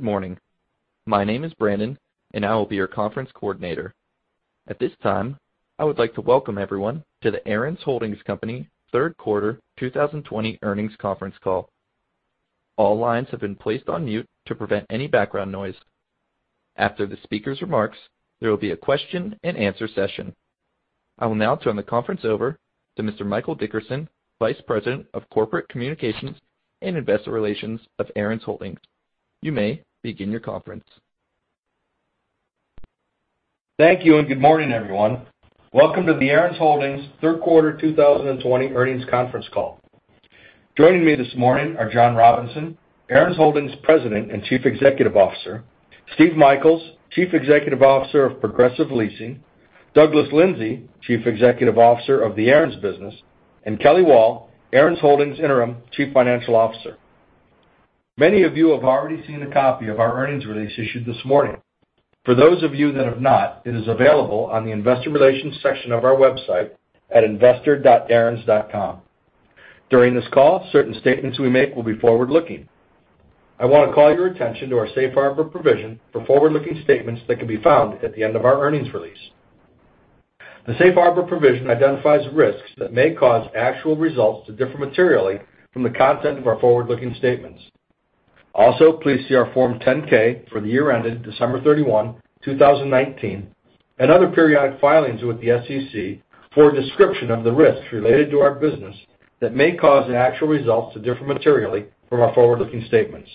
Good morning. My name is Brandon, and I will be your conference coordinator. At this time, I would like to welcome everyone to the Aaron's Holdings Company third quarter 2020 earnings conference call. All lines have been placed on mute to prevent any background noise. After the speaker's remarks, there will be a question-and-answer session. I will now turn the conference over to Mr. Michael Dickerson, Vice President of Corporate Communications and Investor Relations of Aaron's Holdings. You may begin your conference. Thank you, good morning, everyone. Welcome to the Aaron's Holdings third quarter 2020 earnings conference call. Joining me this morning are John Robinson, Aaron's Holdings President and Chief Executive Officer, Steve Michaels, Chief Executive Officer of Progressive Leasing, Douglas Lindsay, Chief Executive Officer of the Aaron's Business, and Kelly Wall, Aaron's Holdings Interim Chief Financial Officer. Many of you have already seen a copy of our earnings release issued this morning. For those of you that have not, it is available on the investor relations section of our website at investor.aarons.com. During this call, certain statements we make will be forward-looking. I want to call your attention to our safe harbor provision for forward-looking statements that can be found at the end of our earnings release. The safe harbor provision identifies risks that may cause actual results to differ materially from the content of our forward-looking statements. Also, please see our Form 10-K for the year ended December 31, 2019, and other periodic filings with the SEC for a description of the risks related to our business that may cause the actual results to differ materially from our forward-looking statements.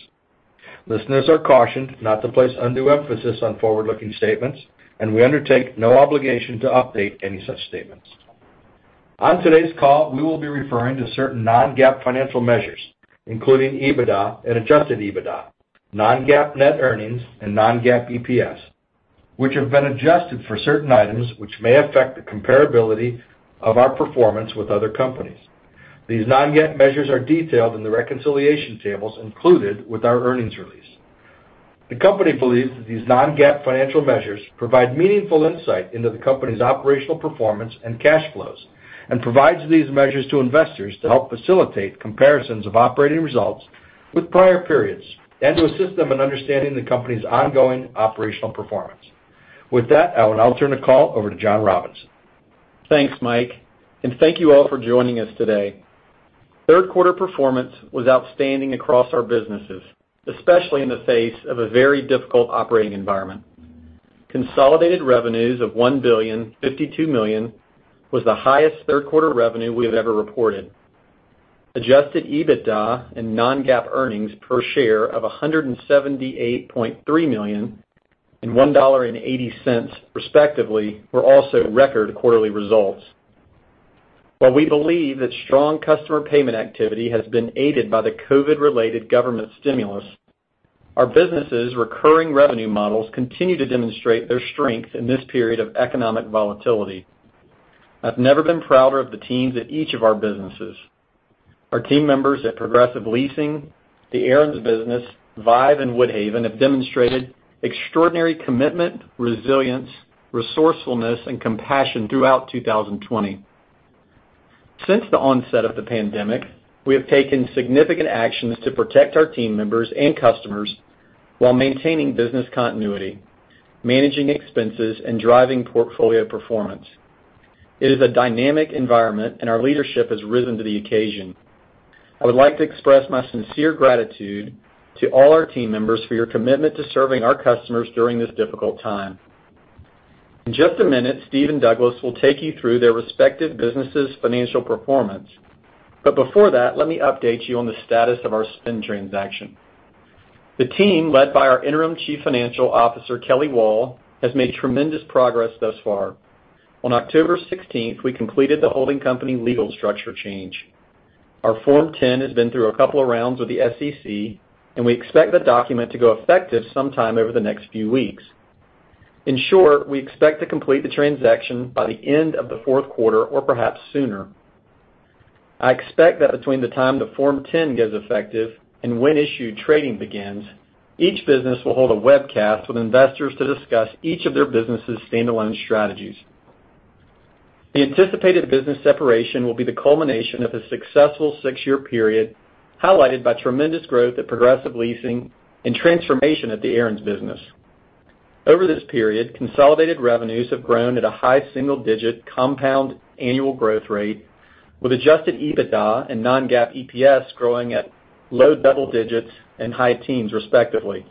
Listeners are cautioned not to place undue emphasis on forward-looking statements, and we undertake no obligation to update any such statements. On today's call, we will be referring to certain non-GAAP financial measures, including EBITDA and adjusted EBITDA, non-GAAP net earnings, and non-GAAP EPS, which have been adjusted for certain items which may affect the comparability of our performance with other companies. These non-GAAP measures are detailed in the reconciliation tables included with our earnings release. The company believes that these non-GAAP financial measures provide meaningful insight into the company's operational performance and cash flows, and provides these measures to investors to help facilitate comparisons of operating results with prior periods and to assist them in understanding the company's ongoing operational performance. With that, I will now turn the call over to John Robinson. Thanks, Mike. Thank you all for joining us today. Third quarter performance was outstanding across our businesses, especially in the face of a very difficult operating environment. Consolidated revenues of $1,052,000,000 was the highest third quarter revenue we have ever reported. Adjusted EBITDA and non-GAAP earnings per share of $178.3 million and $1.80 respectively were also record quarterly results. While we believe that strong customer payment activity has been aided by the COVID-19-related government stimulus, our businesses' recurring revenue models continue to demonstrate their strength in this period of economic volatility. I've never been prouder of the teams at each of our businesses. Our team members at Progressive Leasing, the Aaron's Business, Vive, and Woodhaven have demonstrated extraordinary commitment, resilience, resourcefulness, and compassion throughout 2020. Since the onset of the pandemic, we have taken significant actions to protect our team members and customers while maintaining business continuity, managing expenses, and driving portfolio performance. It is a dynamic environment and our leadership has risen to the occasion. I would like to express my sincere gratitude to all our team members for your commitment to serving our customers during this difficult time. In just a minute, Steve and Douglas will take you through their respective businesses' financial performance. Before that, let me update you on the status of our spin transaction. The team, led by our Interim Chief Financial Officer, Kelly Wall, has made tremendous progress thus far. On October 16th, we completed the holding company legal structure change. Our Form 10 has been through a couple of rounds with the SEC. We expect the document to go effective sometime over the next few weeks. In short, we expect to complete the transaction by the end of the fourth quarter or perhaps sooner. I expect that between the time the Form 10 goes effective and when issue trading begins, each business will hold a webcast with investors to discuss each of their businesses' standalone strategies. The anticipated business separation will be the culmination of a successful six-year period highlighted by tremendous growth at Progressive Leasing and transformation at the Aaron's Business. Over this period, consolidated revenues have grown at a high single-digit compound annual growth rate with adjusted EBITDA and non-GAAP EPS growing at low double digits and high teens respectively.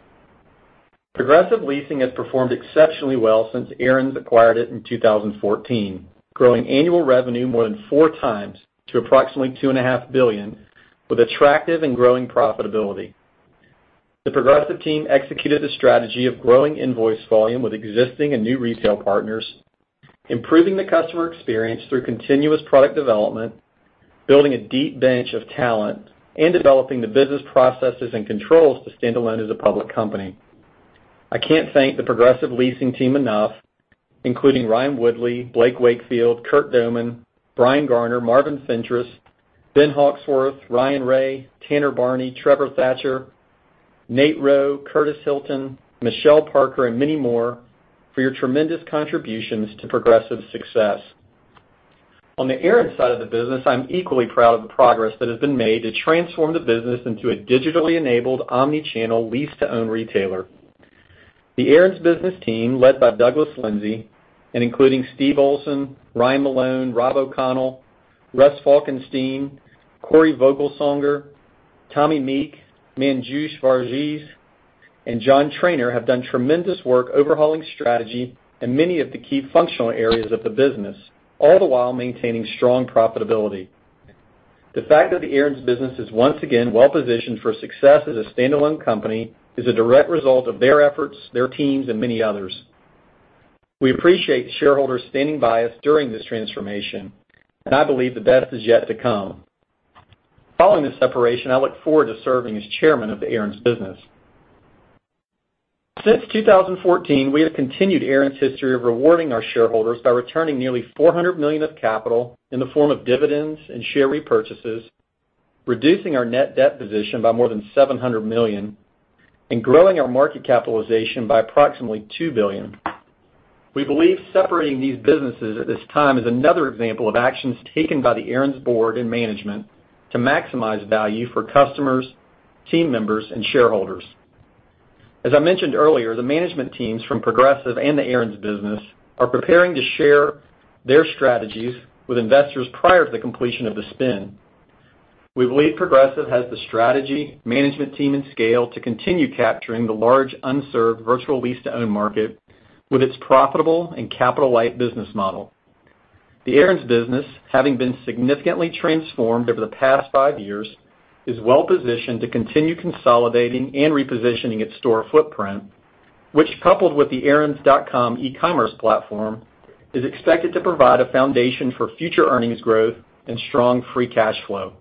Progressive Leasing has performed exceptionally well since Aaron's acquired it in 2014, growing annual revenue more than four times to approximately $2.5 billion with attractive and growing profitability. The Progressive team executed the strategy of growing invoice volume with existing and new retail partners, improving the customer experience through continuous product development, building a deep bench of talent, and developing the business processes and controls to stand alone as a public company. I can't thank the Progressive Leasing team enough, including Ryan Woodley, Blake Wakefield, Curt Doman, Brian Garner, Marvin Fentress, Ben Hawksworth, Ryan Ray, Tanner Barney, Trevor Thatcher, Nate Rowe, Curtis Hilton, Michelle Parker, and many more for your tremendous contributions to Progressive's success. On the Aaron's side of the business, I'm equally proud of the progress that has been made to transform the business into a digitally enabled omni-channel lease-to-own retailer. The Aaron's Business team, led by Douglas Lindsay and including Steve Olsen, Ryan Malone, Rob O'Connell, Russ Falkenstein, Cory Voglesonger, Tommy Meek, Manju Varughese, and John Trainor have done tremendous work overhauling strategy in many of the key functional areas of the business, all the while maintaining strong profitability. The fact that the Aaron's Business is once again well-positioned for success as a standalone company is a direct result of their efforts, their teams, and many others. We appreciate shareholders standing by us during this transformation, I believe the best is yet to come. Following the separation, I look forward to serving as chairman of the Aaron's Business. Since 2014, we have continued Aaron's history of rewarding our shareholders by returning nearly $400 million of capital in the form of dividends and share repurchases, reducing our net debt position by more than $700 million, and growing our market capitalization by approximately $2 billion. We believe separating these businesses at this time is another example of actions taken by the Aaron's Board and management to maximize value for customers, team members, and shareholders. As I mentioned earlier, the management teams from Progressive and the Aaron's Business are preparing to share their strategies with investors prior to the completion of the spin. We believe Progressive has the strategy, management team, and scale to continue capturing the large unserved virtual lease-to-own market with its profitable and capital-light business model. The Aaron's Business, having been significantly transformed over the past five years, is well-positioned to continue consolidating and repositioning its store footprint, which, coupled with the aarons.com e-commerce platform, is expected to provide a foundation for future earnings growth and strong free cash flow.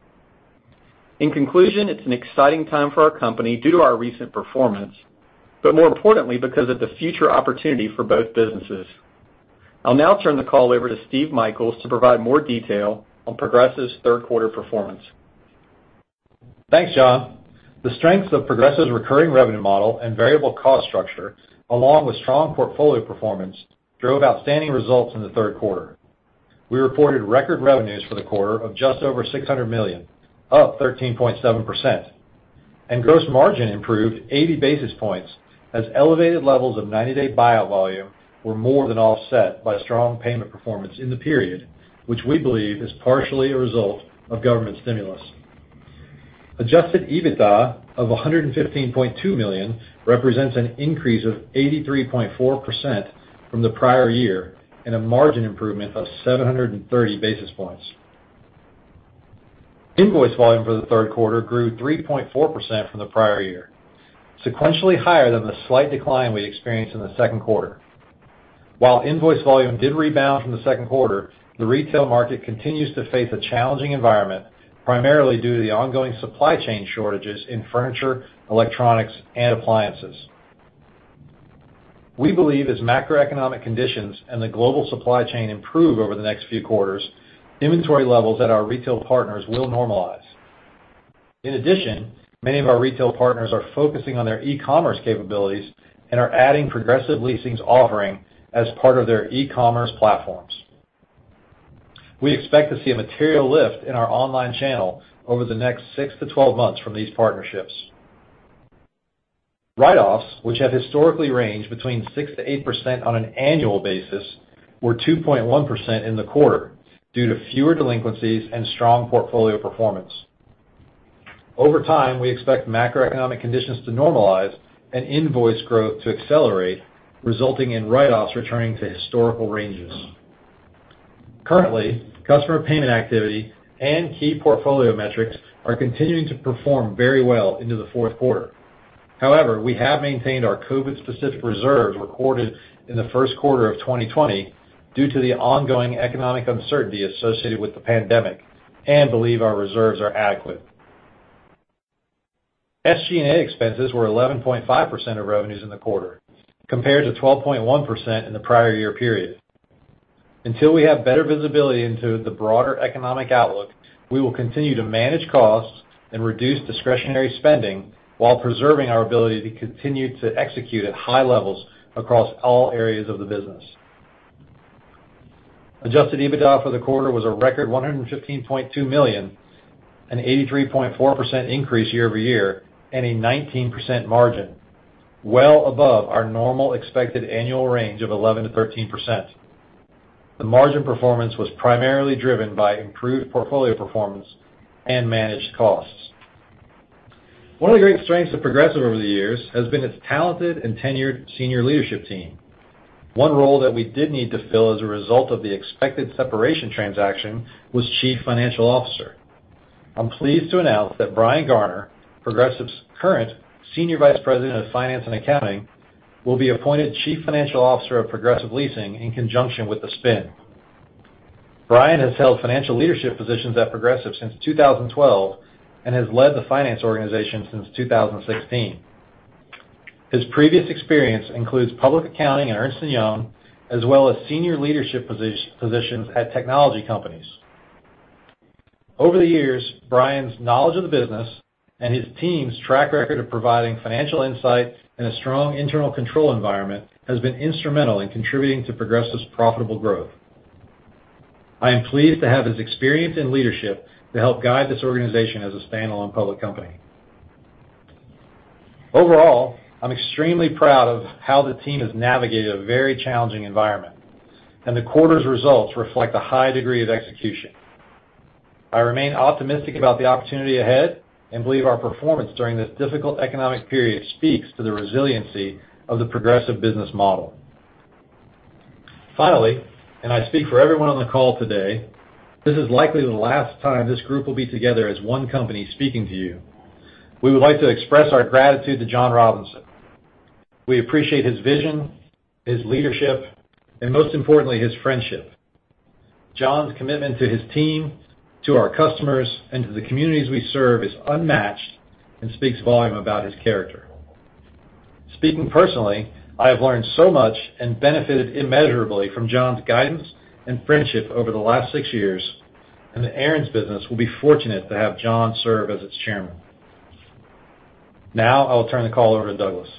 In conclusion, it's an exciting time for our company due to our recent performance, but more importantly, because of the future opportunity for both businesses. I'll now turn the call over to Steve Michaels to provide more detail on Progressive's third quarter performance. Thanks, John. The strengths of Progressive's recurring revenue model and variable cost structure, along with strong portfolio performance, drove outstanding results in the third quarter. We reported record revenues for the quarter of just over $600 million, up 13.7%. Gross margin improved 80 basis points as elevated levels of 90-day buyout volume were more than offset by strong payment performance in the period, which we believe is partially a result of government stimulus. Adjusted EBITDA of $115.2 million represents an increase of 83.4% from the prior year, and a margin improvement of 730 basis points. Invoice volume for the third quarter grew 3.4% from the prior year, sequentially higher than the slight decline we experienced in the second quarter. While invoice volume did rebound from the second quarter, the retail market continues to face a challenging environment, primarily due to the ongoing supply chain shortages in furniture, electronics, and appliances. We believe as macroeconomic conditions and the global supply chain improve over the next few quarters, inventory levels at our retail partners will normalize. In addition, many of our retail partners are focusing on their e-commerce capabilities and are adding Progressive Leasing's offering as part of their e-commerce platforms. We expect to see a material lift in our online channel over the next 6-12 months from these partnerships. Write-offs, which have historically ranged between 6%-8% on an annual basis, were 2.1% in the quarter due to fewer delinquencies and strong portfolio performance. Over time, we expect macroeconomic conditions to normalize and invoice growth to accelerate, resulting in write-offs returning to historical ranges. Currently, customer payment activity and key portfolio metrics are continuing to perform very well into the fourth quarter. However, we have maintained our COVID-specific reserves recorded in the first quarter of 2020 due to the ongoing economic uncertainty associated with the pandemic, and believe our reserves are adequate. SG&A expenses were 11.5% of revenues in the quarter, compared to 12.1% in the prior year period. Until we have better visibility into the broader economic outlook, we will continue to manage costs and reduce discretionary spending while preserving our ability to continue to execute at high levels across all areas of the business. Adjusted EBITDA for the quarter was a record $115.2 million, an 83.4% increase year-over-year, and a 19% margin, well above our normal expected annual range of 11%-13%. The margin performance was primarily driven by improved portfolio performance and managed costs. One of the great strengths of Progressive over the years has been its talented and tenured senior leadership team. One role that we did need to fill as a result of the expected separation transaction was chief financial officer. I'm pleased to announce that Brian Garner, Progressive's current Senior Vice President of Finance and Accounting, will be appointed Chief Financial Officer of Progressive Leasing in conjunction with the spin. Brian has held financial leadership positions at Progressive since 2012 and has led the finance organization since 2016. His previous experience includes public accounting at Ernst & Young, as well as senior leadership positions at technology companies. Over the years, Brian's knowledge of the business and his team's track record of providing financial insight and a strong internal control environment has been instrumental in contributing to Progressive's profitable growth. I am pleased to have his experience and leadership to help guide this organization as a standalone public company. Overall, I'm extremely proud of how the team has navigated a very challenging environment, and the quarter's results reflect the high degree of execution. I remain optimistic about the opportunity ahead and believe our performance during this difficult economic period speaks to the resiliency of the Progressive business model. Finally, and I speak for everyone on the call today, this is likely the last time this group will be together as one company speaking to you. We would like to express our gratitude to John Robinson. We appreciate his vision, his leadership, and most importantly, his friendship. John's commitment to his team, to our customers, and to the communities we serve is unmatched and speaks volume about his character. Speaking personally, I have learned so much and benefited immeasurably from John's guidance and friendship over the last six years, and the Aaron's Business will be fortunate to have John serve as its Chairman. Now, I will turn the call over to Douglas.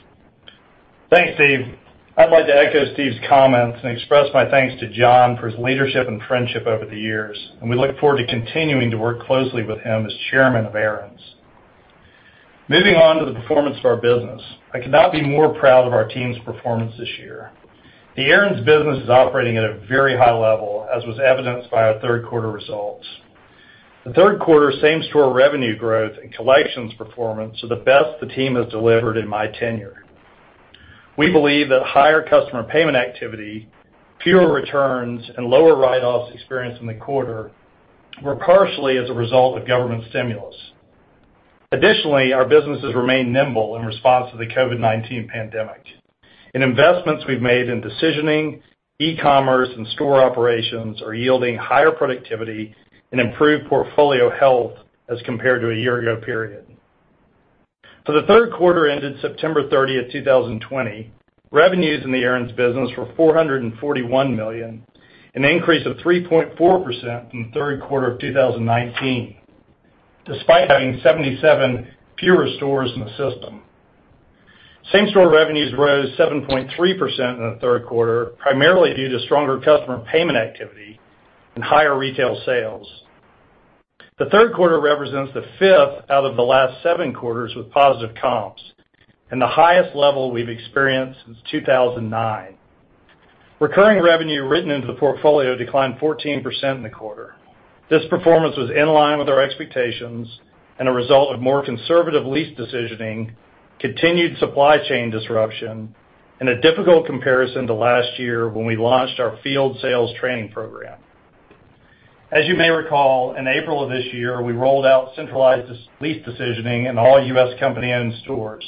Thanks, Steve. I'd like to echo Steve's comments and express my thanks to John for his leadership and friendship over the years, and we look forward to continuing to work closely with him as Chairman of Aaron's. Moving on to the performance of our business. I could not be more proud of our team's performance this year. The Aaron's Business is operating at a very high level, as was evidenced by our third quarter results. The third quarter same-store revenue growth and collections performance are the best the team has delivered in my tenure. We believe that higher customer payment activity, fewer returns, and lower write-offs experienced in the quarter were partially as a result of government stimulus. Additionally, our businesses remain nimble in response to the COVID-19 pandemic, and investments we've made in decisioning, e-commerce, and store operations are yielding higher productivity and improved portfolio health as compared to a year-ago period. For the third quarter ended September 30, 2020, revenues in the Aaron's Business were $441 million, an increase of 3.4% from the third quarter of 2019, despite having 77 fewer stores in the system. Same-store revenues were 7.3% in the third quarter primarily due to stronger customer payment activity and higher retail sales. The third quarter represents the fifth out of the last seven quarters with positive comps and the highest level we've experienced since 2009. Recurring revenue written into the portfolio declined 14% in the quarter. This performance was in line with our expectations and a result of more conservative lease decisioning, continued supply chain disruption, and a difficult comparison to last year when we launched our field sales training program. As you may recall, in April of this year, we rolled out centralized lease decisioning in all U.S. company-owned stores.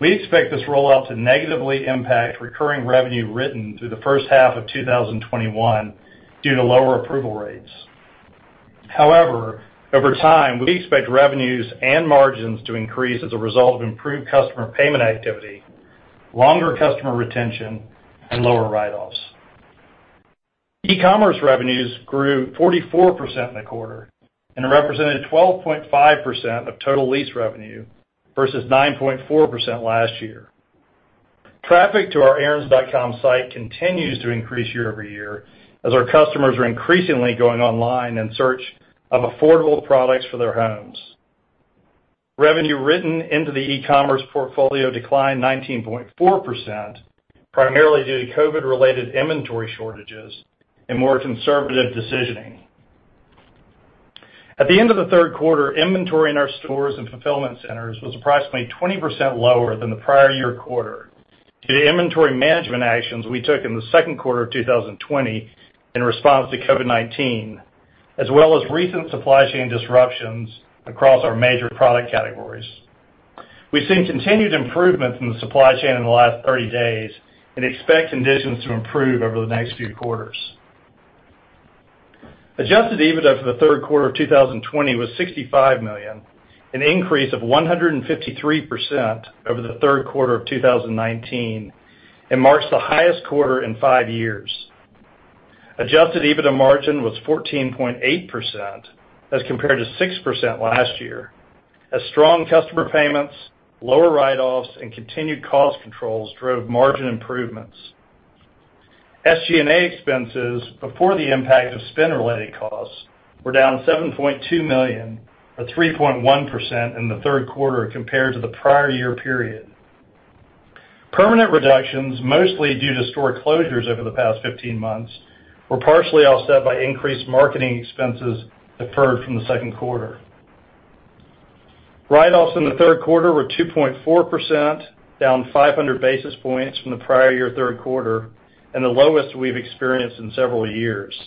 We expect this rollout to negatively impact recurring revenue written through the first half of 2021 due to lower approval rates. However, over time, we expect revenues and margins to increase as a result of improved customer payment activity, longer customer retention, and lower write-offs. E-commerce revenues grew 44% in the quarter and represented 12.5% of total lease revenue versus 9.4% last year. Traffic to our aaron's.com site continues to increase year-over-year as our customers are increasingly going online in search of affordable products for their homes. Revenue written into the e-commerce portfolio declined 19.4%, primarily due to COVID-related inventory shortages and more conservative decisioning. At the end of the third quarter, inventory in our stores and fulfillment centers was approximately 20% lower than the prior year quarter due to inventory management actions we took in the second quarter of 2020 in response to COVID-19, as well as recent supply chain disruptions across our major product categories. We've seen continued improvement from the supply chain in the last 30 days and expect conditions to improve over the next few quarters. Adjusted EBITDA for the third quarter of 2020 was $65 million, an increase of 153% over the third quarter of 2019, and marks the highest quarter in five years. Adjusted EBITDA margin was 14.8% as compared to 6% last year, as strong customer payments, lower write-offs, and continued cost controls drove margin improvements. SG&A expenses before the impact of spin-related costs were down $7.2 million, or 3.1% in the third quarter compared to the prior year period. Permanent reductions, mostly due to store closures over the past 15 months, were partially offset by increased marketing expenses deferred from the second quarter. Write-offs in the third quarter were 2.4%, down 500 basis points from the prior year third quarter and the lowest we've experienced in several years.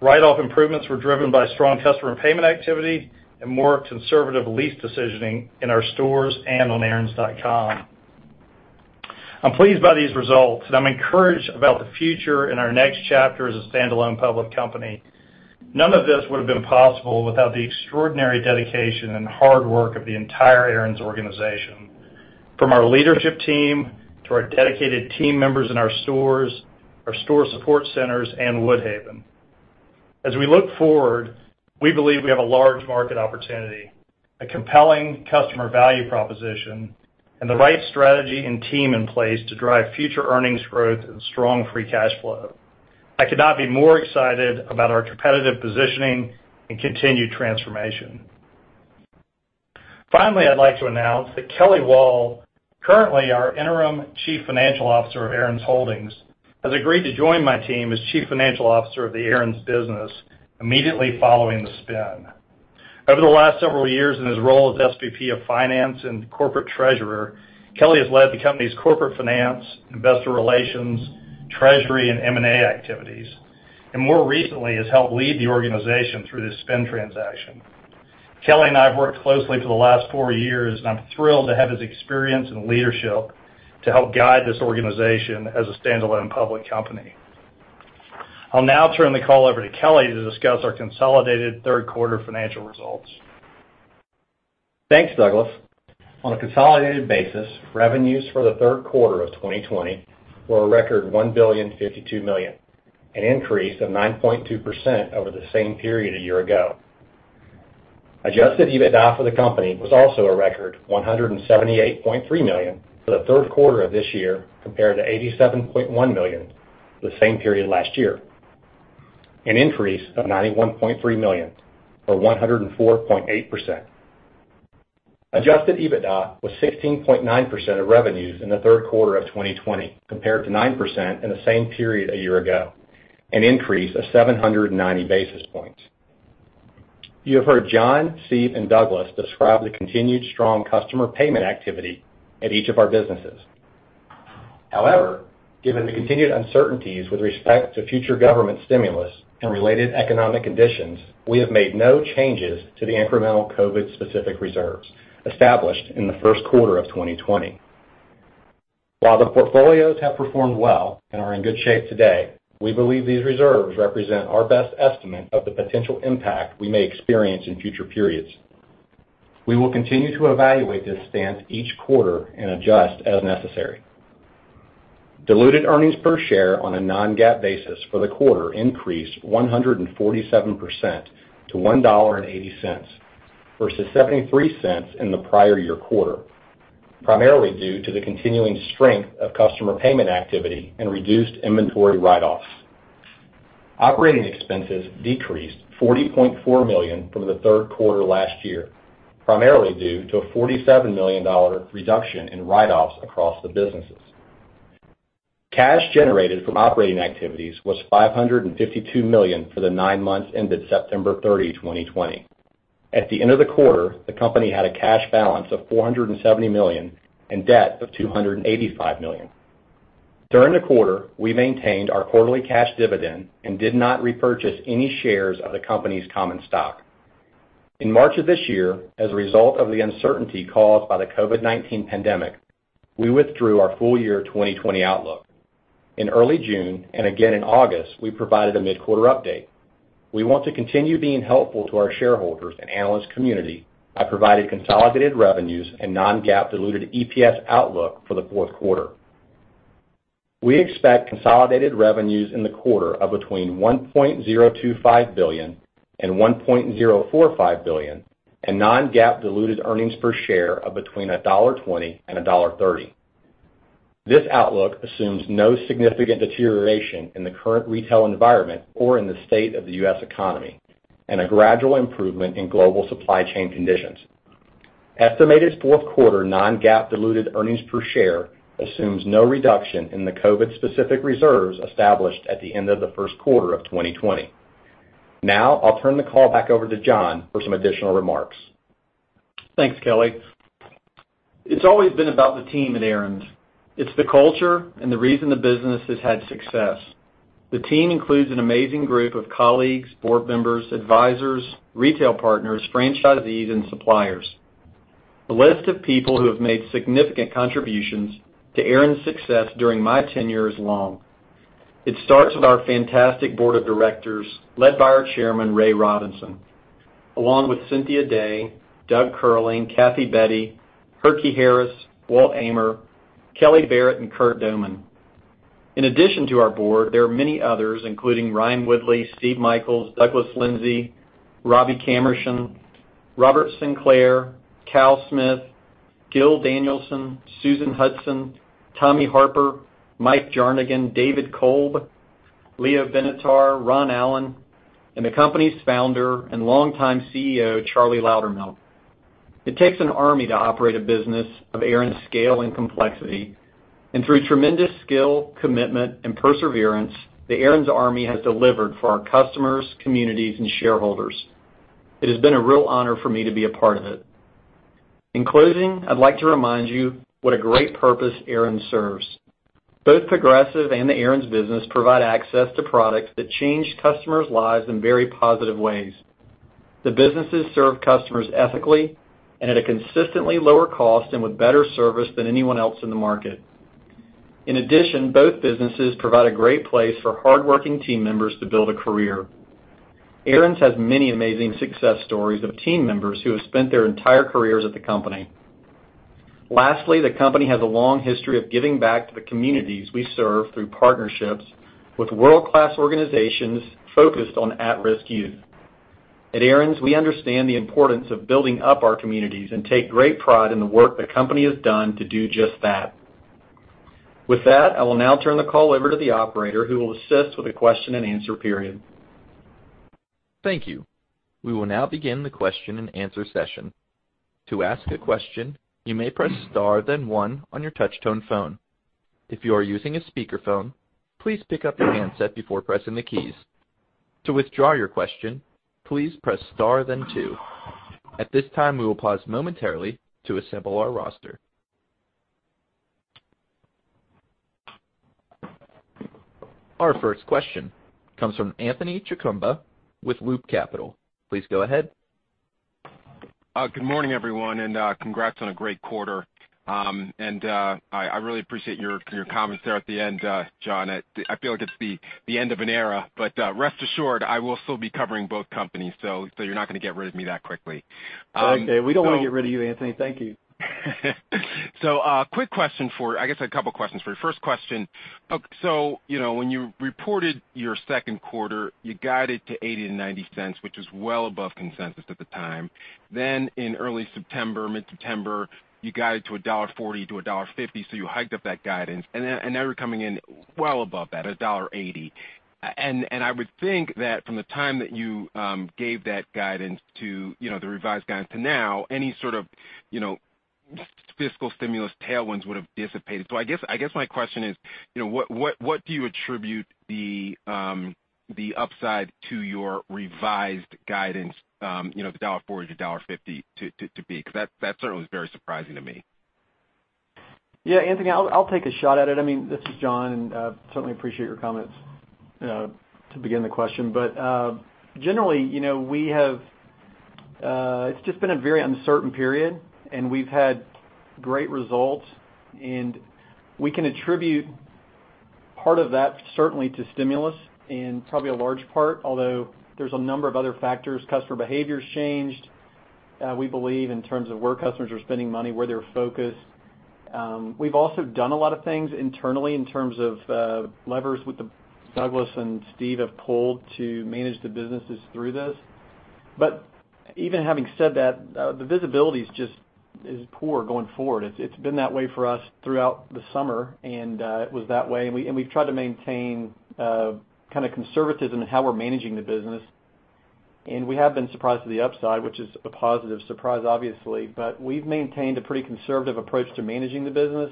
Write-off improvements were driven by strong customer payment activity and more conservative lease decisioning in our stores and on aaron's.com. I'm pleased by these results, and I'm encouraged about the future and our next chapter as a standalone public company. None of this would have been possible without the extraordinary dedication and hard work of the entire Aaron's organization, from our leadership team to our dedicated team members in our stores, our store support centers, and Woodhaven. As we look forward, we believe we have a large market opportunity, a compelling customer value proposition, and the right strategy and team in place to drive future earnings growth and strong free cash flow. I could not be more excited about our competitive positioning and continued transformation. Finally, I'd like to announce that Kelly Wall, currently our interim Chief Financial Officer of Aaron's Holdings, has agreed to join my team as Chief Financial Officer of the Aaron's Business immediately following the spin. Over the last several years in his role as SVP of Finance and Corporate Treasurer, Kelly has led the company's corporate finance, investor relations, treasury, and M&A activities, and more recently has helped lead the organization through this spin transaction. Kelly and I have worked closely for the last four years, and I'm thrilled to have his experience and leadership to help guide this organization as a standalone public company. I'll now turn the call over to Kelly to discuss our consolidated third quarter financial results. Thanks, Douglas. On a consolidated basis, revenues for the third quarter of 2020 were a record $1,052,000,000, an increase of 9.2% over the same period a year ago. Adjusted EBITDA for the company was also a record, $178.3 million for the third quarter of this year, compared to $87.1 million the same period last year, an increase of $91.3 million, or 104.8%. Adjusted EBITDA was 16.9% of revenues in the third quarter of 2020, compared to 9% in the same period a year ago, an increase of 790 basis points. You have heard John, Steve, and Douglas describe the continued strong customer payment activity at each of our businesses. However, given the continued uncertainties with respect to future government stimulus and related economic conditions, we have made no changes to the incremental COVID-specific reserves established in the first quarter of 2020. While the portfolios have performed well and are in good shape today, we believe these reserves represent our best estimate of the potential impact we may experience in future periods. We will continue to evaluate this stance each quarter and adjust as necessary. Diluted earnings per share on a non-GAAP basis for the quarter increased 147% to $1.80, versus $0.73 in the prior year quarter, primarily due to the continuing strength of customer payment activity and reduced inventory write-offs. Operating expenses decreased $40.4 million from the third quarter last year, primarily due to a $47 million reduction in write-offs across the businesses. Cash generated from operating activities was $552 million for the nine months ended September 30, 2020. At the end of the quarter, the company had a cash balance of $470 million and debt of $285 million. During the quarter, we maintained our quarterly cash dividend and did not repurchase any shares of the company's common stock. In March of this year, as a result of the uncertainty caused by the COVID-19 pandemic, we withdrew our full year 2020 outlook. In early June, and again in August, we provided a mid-quarter update. We want to continue being helpful to our shareholders and analyst community by providing consolidated revenues and non-GAAP diluted EPS outlook for the fourth quarter. We expect consolidated revenues in the quarter of between $1.025 billion and $1.045 billion, and non-GAAP diluted earnings per share of between $1.20 and $1.30. This outlook assumes no significant deterioration in the current retail environment or in the state of the U.S. economy, and a gradual improvement in global supply chain conditions. Estimated fourth quarter non-GAAP diluted earnings per share assumes no reduction in the COVID-specific reserves established at the end of the first quarter of 2020. Now, I'll turn the call back over to John for some additional remarks. Thanks, Kelly. It's always been about the team at Aaron's. It's the culture and the reason the business has had success. The team includes an amazing group of colleagues, Board members, advisors, retail partners, franchisees, and suppliers. The list of people who have made significant contributions to Aaron's success during my tenure is long. It starts with our fantastic Board of Directors led by our Chairman, Ray Robinson, along with Cynthia Day, Doug Curling, Kathy Betty, Herky Harris, Walt Ehmer, Kelly Barrett, and Curt Doman. In addition to our Board, there are many others, including Ryan Woodley, Steve Michaels, Douglas Lindsay, Robbie Kamerschen, Robert Sinclair, Cal Smith, Gil Danielson, Susan Hudson, Tommy Harper, Mike Jarnagin, David Kolb, Leo Benatar, Ron Allen, and the company's founder and longtime CEO, Charlie Loudermilk. It takes an army to operate a business of Aaron's scale and complexity, and through tremendous skill, commitment, and perseverance, the Aaron's army has delivered for our customers, communities, and shareholders. It has been a real honor for me to be a part of it. In closing, I'd like to remind you what a great purpose Aaron's serves. Both Progressive and the Aaron's Business provide access to products that change customers' lives in very positive ways. The businesses serve customers ethically and at a consistently lower cost and with better service than anyone else in the market. In addition, both businesses provide a great place for hardworking team members to build a career. Aaron's has many amazing success stories of team members who have spent their entire careers at the company. Lastly, the company has a long history of giving back to the communities we serve through partnerships with world-class organizations focused on at-risk youth. At Aaron's, we understand the importance of building up our communities and take great pride in the work the company has done to do just that. With that, I will now turn the call over to the operator, who will assist with the question-and-answer period. Thank you. We will now begin the question-and-answer session. Our first question comes from Anthony Chukumba with Loop Capital. Please go ahead. Good morning, everyone, and congrats on a great quarter. I really appreciate your comments there at the end, John. I feel like it's the end of an era, but rest assured, I will still be covering both companies, so you're not going to get rid of me that quickly. Okay. We don't want to get rid of you, Anthony. Thank you. Quick question for- I guess a couple questions for you. First question. When you reported your second quarter, you guided to $0.80-$0.90, which was well above consensus at the time then in early September, mid-September, you guided to $1.40-$1.50, so you hiked up that guidance, and now you're coming in well above that at $1.80. I would think that from the time that you, gave that guidance to, the revised guidance to now any sort of fiscal stimulus tailwinds would have dissipated. I guess my question is, what do you attribute the upside to your revised guidance, the $1.40-$1.50 to be because that certainly was very surprising to me. Yeah, Anthony, I'll take a shot at it. This is John. Certainly appreciate your comments to begin the question. Generally, it's just been a very uncertain period and we've had great results, and we can attribute part of that certainly to stimulus and probably a large part, although there's a number of other factors. Customer behavior's changed, we believe, in terms of where customers are spending money, where they're focused. We've also done a lot of things internally in terms of levers Douglas and Steve have pulled to manage the businesses through this. Even having said that, the visibility is poor going forward. It's been that way for us throughout the summer, and it was that way. We've tried to maintain a kind of conservatism in how we're managing the business. We have been surprised to the upside, which is a positive surprise, obviously. We've maintained a pretty conservative approach to managing the business.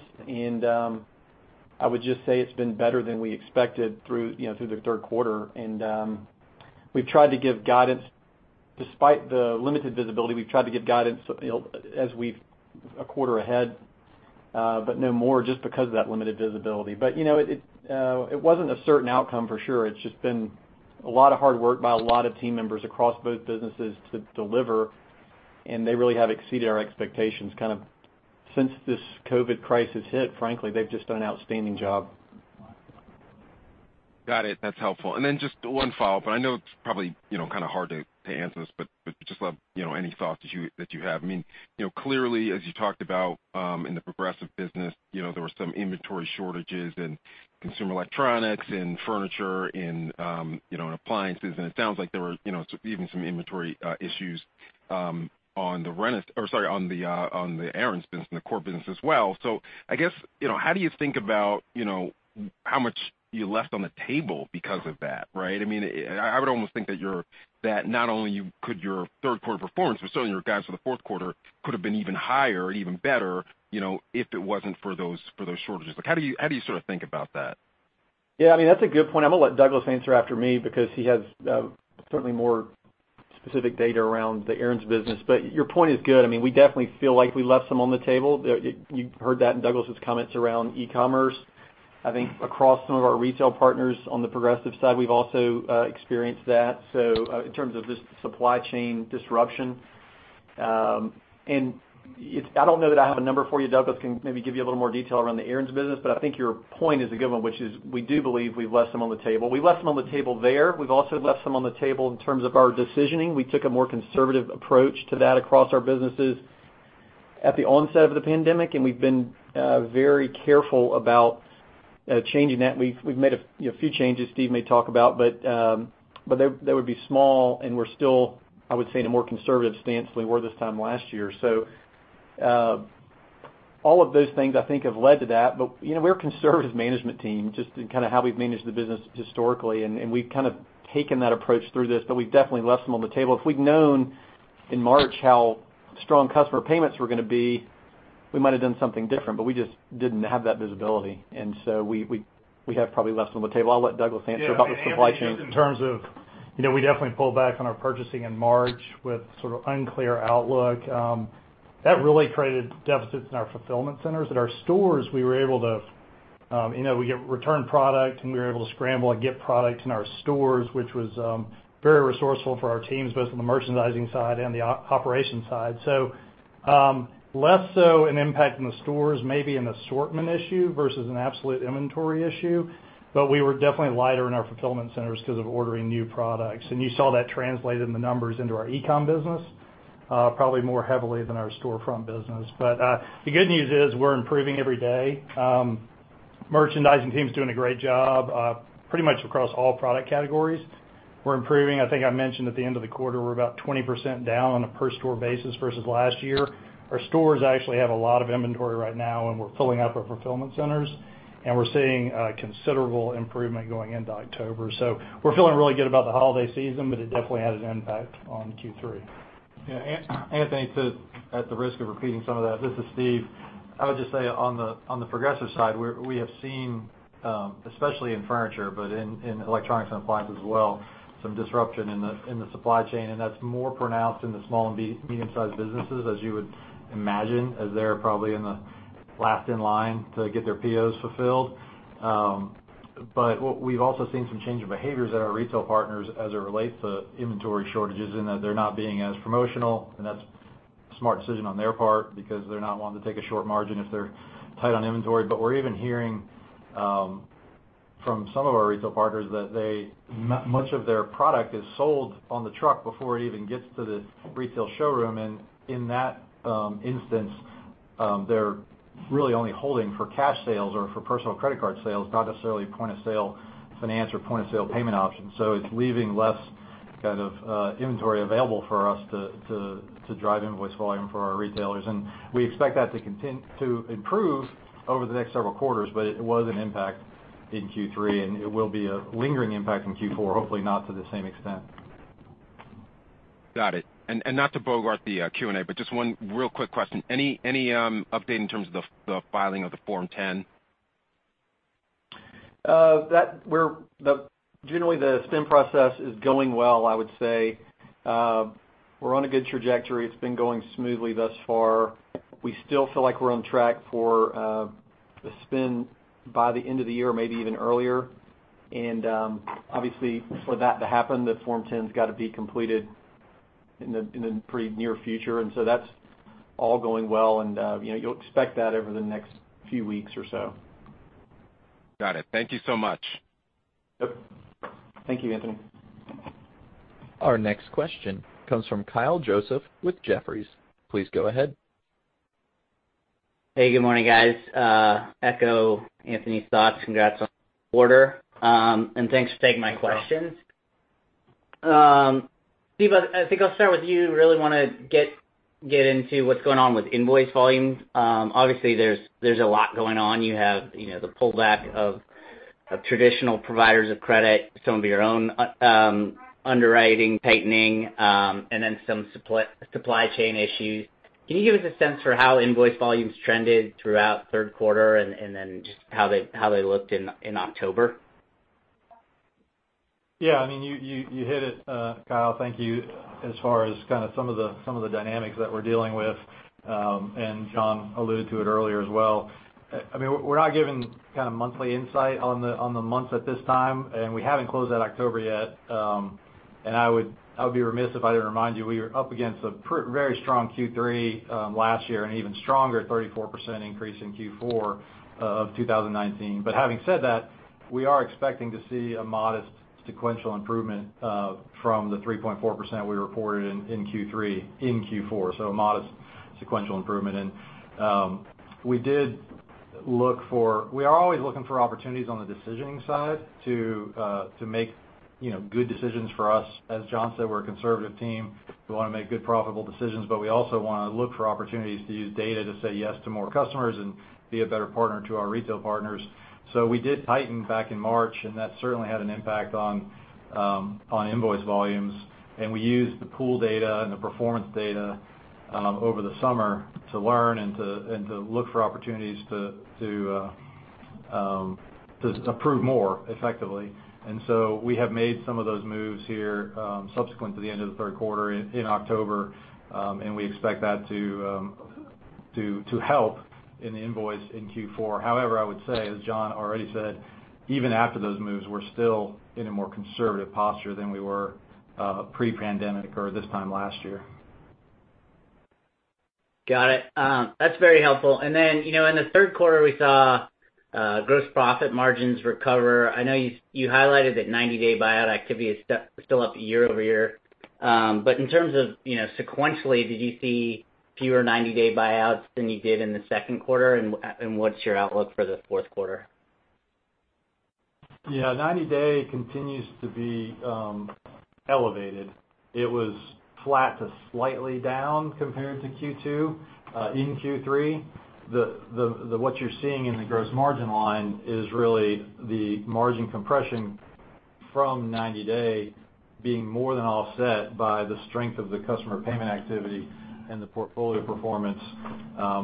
I would just say it's been better than we expected through the third quarter. We've tried to give guidance despite the limited visibility. We've tried to give guidance a quarter ahead, but no more just because of that limited visibility. It wasn't a certain outcome for sure. It's just been a lot of hard work by a lot of team members across both businesses to deliver, and they really have exceeded our expectations. Since this COVID-19 crisis hit, frankly, they've just done an outstanding job. Got it. That's helpful. Then just one follow-up, and I know it's probably hard to answer this, but just any thoughts that you have. Clearly, as you talked about, in the Progressive business, there were some inventory shortages in consumer electronics, in furniture, in appliances, and it sounds like there were even some inventory issues on the Aaron's Business, in the core business as well. I guess, how do you think about how much you left on the table because of that, right? I would almost think that not only could your third quarter performance, but certainly your guidance for the fourth quarter could have been even higher or even better, if it wasn't for those shortages. How do you sort of think about that? Yeah, that's a good point. I'm going to let Douglas answer after me because he has certainly more specific data around the Aaron's Business. Your point is good. We definitely feel like we left some on the table. You heard that in Douglas's comments around e-commerce. I think across some of our retail partners on the Progressive side, we've also experienced that, so in terms of this supply chain disruption. I don't know that I have a number for you. Douglas can maybe give you a little more detail around the Aaron's Business, but I think your point is a good one, which is we do believe we've left some on the table. We left some on the table there. We've also left some on the table in terms of our decisioning. We took a more conservative approach to that across our businesses at the onset of the pandemic, and we've been very careful about changing that. We've made a few changes Steve may talk about, but they would be small and we're still, I would say, in a more conservative stance than we were this time last year. All of those things I think have led to that. We're a conservative management team, just in kind of how we've managed the business historically, and we've kind of taken that approach through this, but we've definitely left some on the table. If we'd known in March how strong customer payments were going to be, we might've done something different, but we just didn't have that visibility, and so we have probably left some on the table. I'll let Douglas answer about the supply chain. We definitely pulled back on our purchasing in March with sort of unclear outlook. That really created deficits in our fulfillment centers. At our stores, we get return product and we were able to scramble and get product in our stores, which was very resourceful for our teams, both on the merchandising side and the operations side. Less so an impact in the stores, maybe an assortment issue versus an absolute inventory issue. We were definitely lighter in our fulfillment centers because of ordering new products. You saw that translated in the numbers into our e-com business probably more heavily than our storefront business. The good news is we're improving every day. Merchandising team's doing a great job pretty much across all product categories. We're improving. I think I mentioned at the end of the quarter, we're about 20% down on a per store basis versus last year. Our stores actually have a lot of inventory right now, and we're filling up our fulfillment centers, and we're seeing a considerable improvement going into October. We're feeling really good about the Holiday Season, but it definitely had an impact on Q3. Yeah, Anthony, at the risk of repeating some of that, this is Steve. I would just say on the Progressive side, we have seen, especially in furniture, but in electronics and appliance as well, some disruption in the supply chain, and that's more pronounced in the small and medium-sized businesses, as you would imagine, as they're probably in the last in line to get their POs fulfilled. What we've also seen some change in behaviors at our retail partners as it relates to inventory shortages in that they're not being as promotional, and that's a smart decision on their part because they're not wanting to take a short margin if they're tight on inventory. We're even hearing from some of our retail partners that much of their product is sold on the truck before it even gets to the retail showroom. In that instance, they're really only holding for cash sales or for personal credit card sales, not necessarily point-of-sale finance or point-of-sale payment options. It's leaving less kind of inventory available for us to drive invoice volume for our retailers. We expect that to improve over the next several quarters. It was an impact in Q3, and it will be a lingering impact in Q4, hopefully not to the same extent. Got it. Not to bogart the Q&A, but just one real quick question. Any update in terms of the filing of the Form 10? Generally, the spin process is going well, I would say. We're on a good trajectory. It's been going smoothly thus far. We still feel like we're on track for the spin by the end of the year, maybe even earlier. Obviously, for that to happen, the Form 10s got to be completed in the pretty near future and so that's all going well, and you'll expect that over the next few weeks or so. Got it. Thank you so much. Yep. Thank you, Anthony. Our next question comes from Kyle Joseph with Jefferies. Please go ahead. Hey, good morning, guys. Echo Anthony's thoughts. Congrats on the quarter. Thanks for taking my questions. Steve, I think I'll start with you. Really want to get into what's going on with invoice volumes. Obviously, there's a lot going on. You have the pullback of traditional providers of credit, some of your own underwriting tightening, and then some supply chain issues. Can you give us a sense for how invoice volumes trended throughout third quarter and then just how they looked in October? Yeah. You hit it, Kyle. Thank you. As far as kind of some of the dynamics that we're dealing with, and John alluded to it earlier as well. We're not giving kind of monthly insight on the months at this time, and we haven't closed out October yet. I would be remiss if I didn't remind you, we are up against a very strong Q3 last year and even stronger 34% increase in Q4 of 2019. Having said that, we are expecting to see a modest sequential improvement from the 3.4% we reported in Q3, in Q4,so a modest sequential improvement. We are always looking for opportunities on the decisioning side to make good decisions for us. As John said, we're a conservative team. We want to make good profitable decisions, but we also want to look for opportunities to use data to say yes to more customers and be a better partner to our retail partners. We did tighten back in March, and that certainly had an impact on invoice volumes. We used the pool data and the performance data over the summer to learn and to look for opportunities to approve more effectively. We have made some of those moves here subsequent to the end of the third quarter in October, and we expect that to help in the invoice in Q4. However, I would say, as John already said, even after those moves, we're still in a more conservative posture than we were pre-pandemic or this time last year. Got it. That's very helpful. In the third quarter, we saw gross profit margins recover. I know you highlighted that 90-day buyout activity is still up year-over-year. In terms of sequentially, did you see fewer 90-day buyouts than you did in the second quarter and what's your outlook for the fourth quarter? Yeah, 90-day continues to be elevated. It was flat to slightly down compared to Q2. In Q3, what you're seeing in the gross margin line is really the margin compression from 90-day being more than offset by the strength of the customer payment activity and the portfolio performance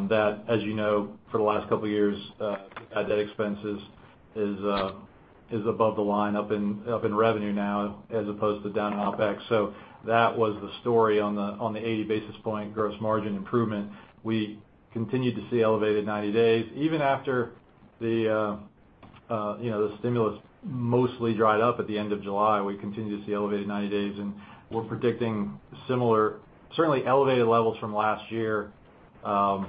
that, as you know, for the last couple of years, bad debt expenses is above the line up in revenue now as opposed to down in OpEx. That was the story on the 80 basis point gross margin improvement. We continued to see elevated 90 days even after the stimulus mostly dried up at the end of July. We continue to see elevated 90 days, and we're predicting similar, certainly elevated levels from last year, going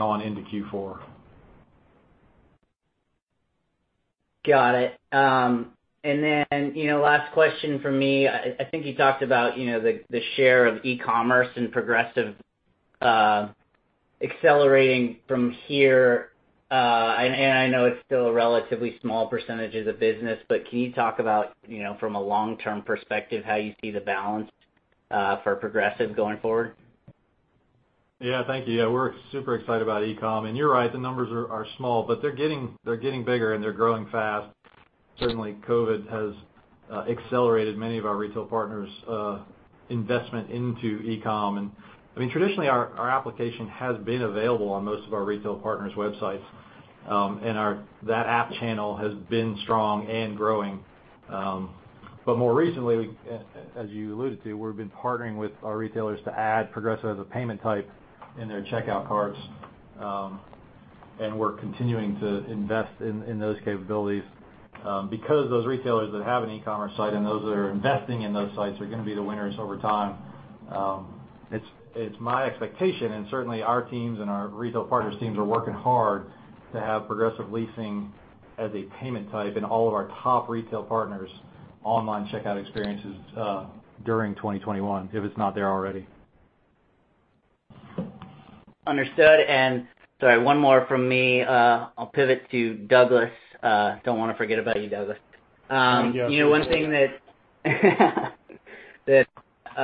on into Q4. Got it. Last question from me. I think you talked about the share of e-commerce and Progressive accelerating from here. I know it's still a relatively small percentage of the business, but can you talk about, from a long-term perspective, how you see the balance for Progressive going forward? Yeah. Thank you. We're super excited about e-com. You're right, the numbers are small, but they're getting bigger and they're growing fast. Certainly, COVID has accelerated many of our retail partners' investment into e-com. I mean, traditionally, our application has been available on most of our retail partners' websites and that app channel has been strong and growing. More recently, as you alluded to, we've been partnering with our retailers to add Progressive as a payment type in their checkout carts. We're continuing to invest in those capabilities because those retailers that have an e-commerce site and those that are investing in those sites are going to be the winners over time. It's my expectation, and certainly our teams and our retail partners' teams are working hard to have Progressive Leasing as a payment type in all of our top retail partners' online checkout experiences during 2021, if it's not there already. Understood. Sorry, one more from me. I'll pivot to Douglas. Don't want to forget about you, Douglas. Yeah. One thing that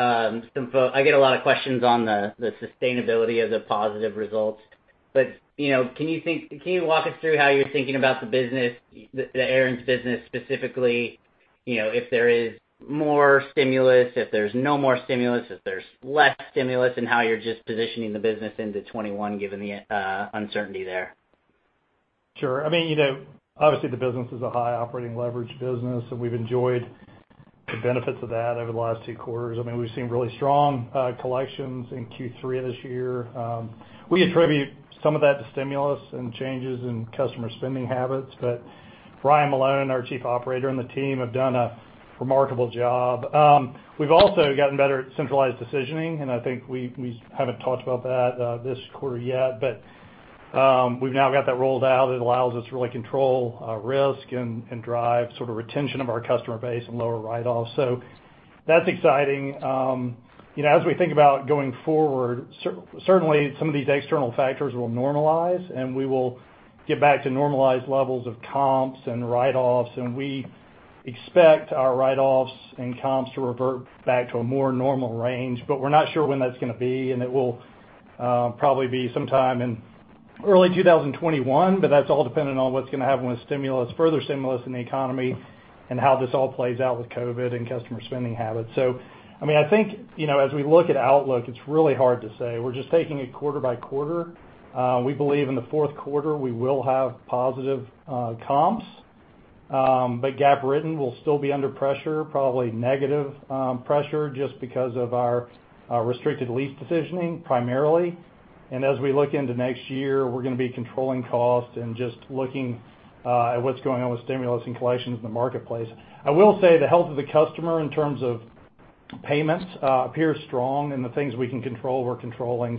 I get a lot of questions on the sustainability of the positive results. Can you walk us through how you're thinking about the business, the Aaron's Business specifically, if there is more stimulus, if there's no more stimulus, if there's less stimulus, and how you're just positioning the business into 2021 given the uncertainty there? Sure. Obviously the business is a high operating leverage business, and we've enjoyed the benefits of that over the last two quarters. We've seen really strong collections in Q3 of this year. We attribute some of that to stimulus and changes in customer spending habits. Ryan Malone, our chief operator, and the team have done a remarkable job. We've also gotten better at centralized decisioning, and I think we haven't talked about that this quarter yet, but we've now got that rolled out. It allows us to really control risk and drive sort of retention of our customer base and lower write-offs. That's exciting. As we think about going forward, certainly some of these external factors will normalize, and we will get back to normalized levels of comps and write-offs. We expect our write-offs and comps to revert back to a more normal range but we're not sure when that's going to be, and it will probably be sometime in early 2021. That's all dependent on what's going to happen with stimulus, further stimulus in the economy, and how this all plays out with COVID-19 and customer spending habits. I think as we look at outlook, it's really hard to say. We're just taking it quarter by quarter. We believe in the fourth quarter, we will have positive comps but GAAP will still be under pressure, probably negative pressure just because of our restricted lease decisioning primarily. As we look into next year, we're going to be controlling cost and just looking at what's going on with stimulus and collections in the marketplace. I will say the health of the customer in terms of payments appears strong, and the things we can control, we're controlling.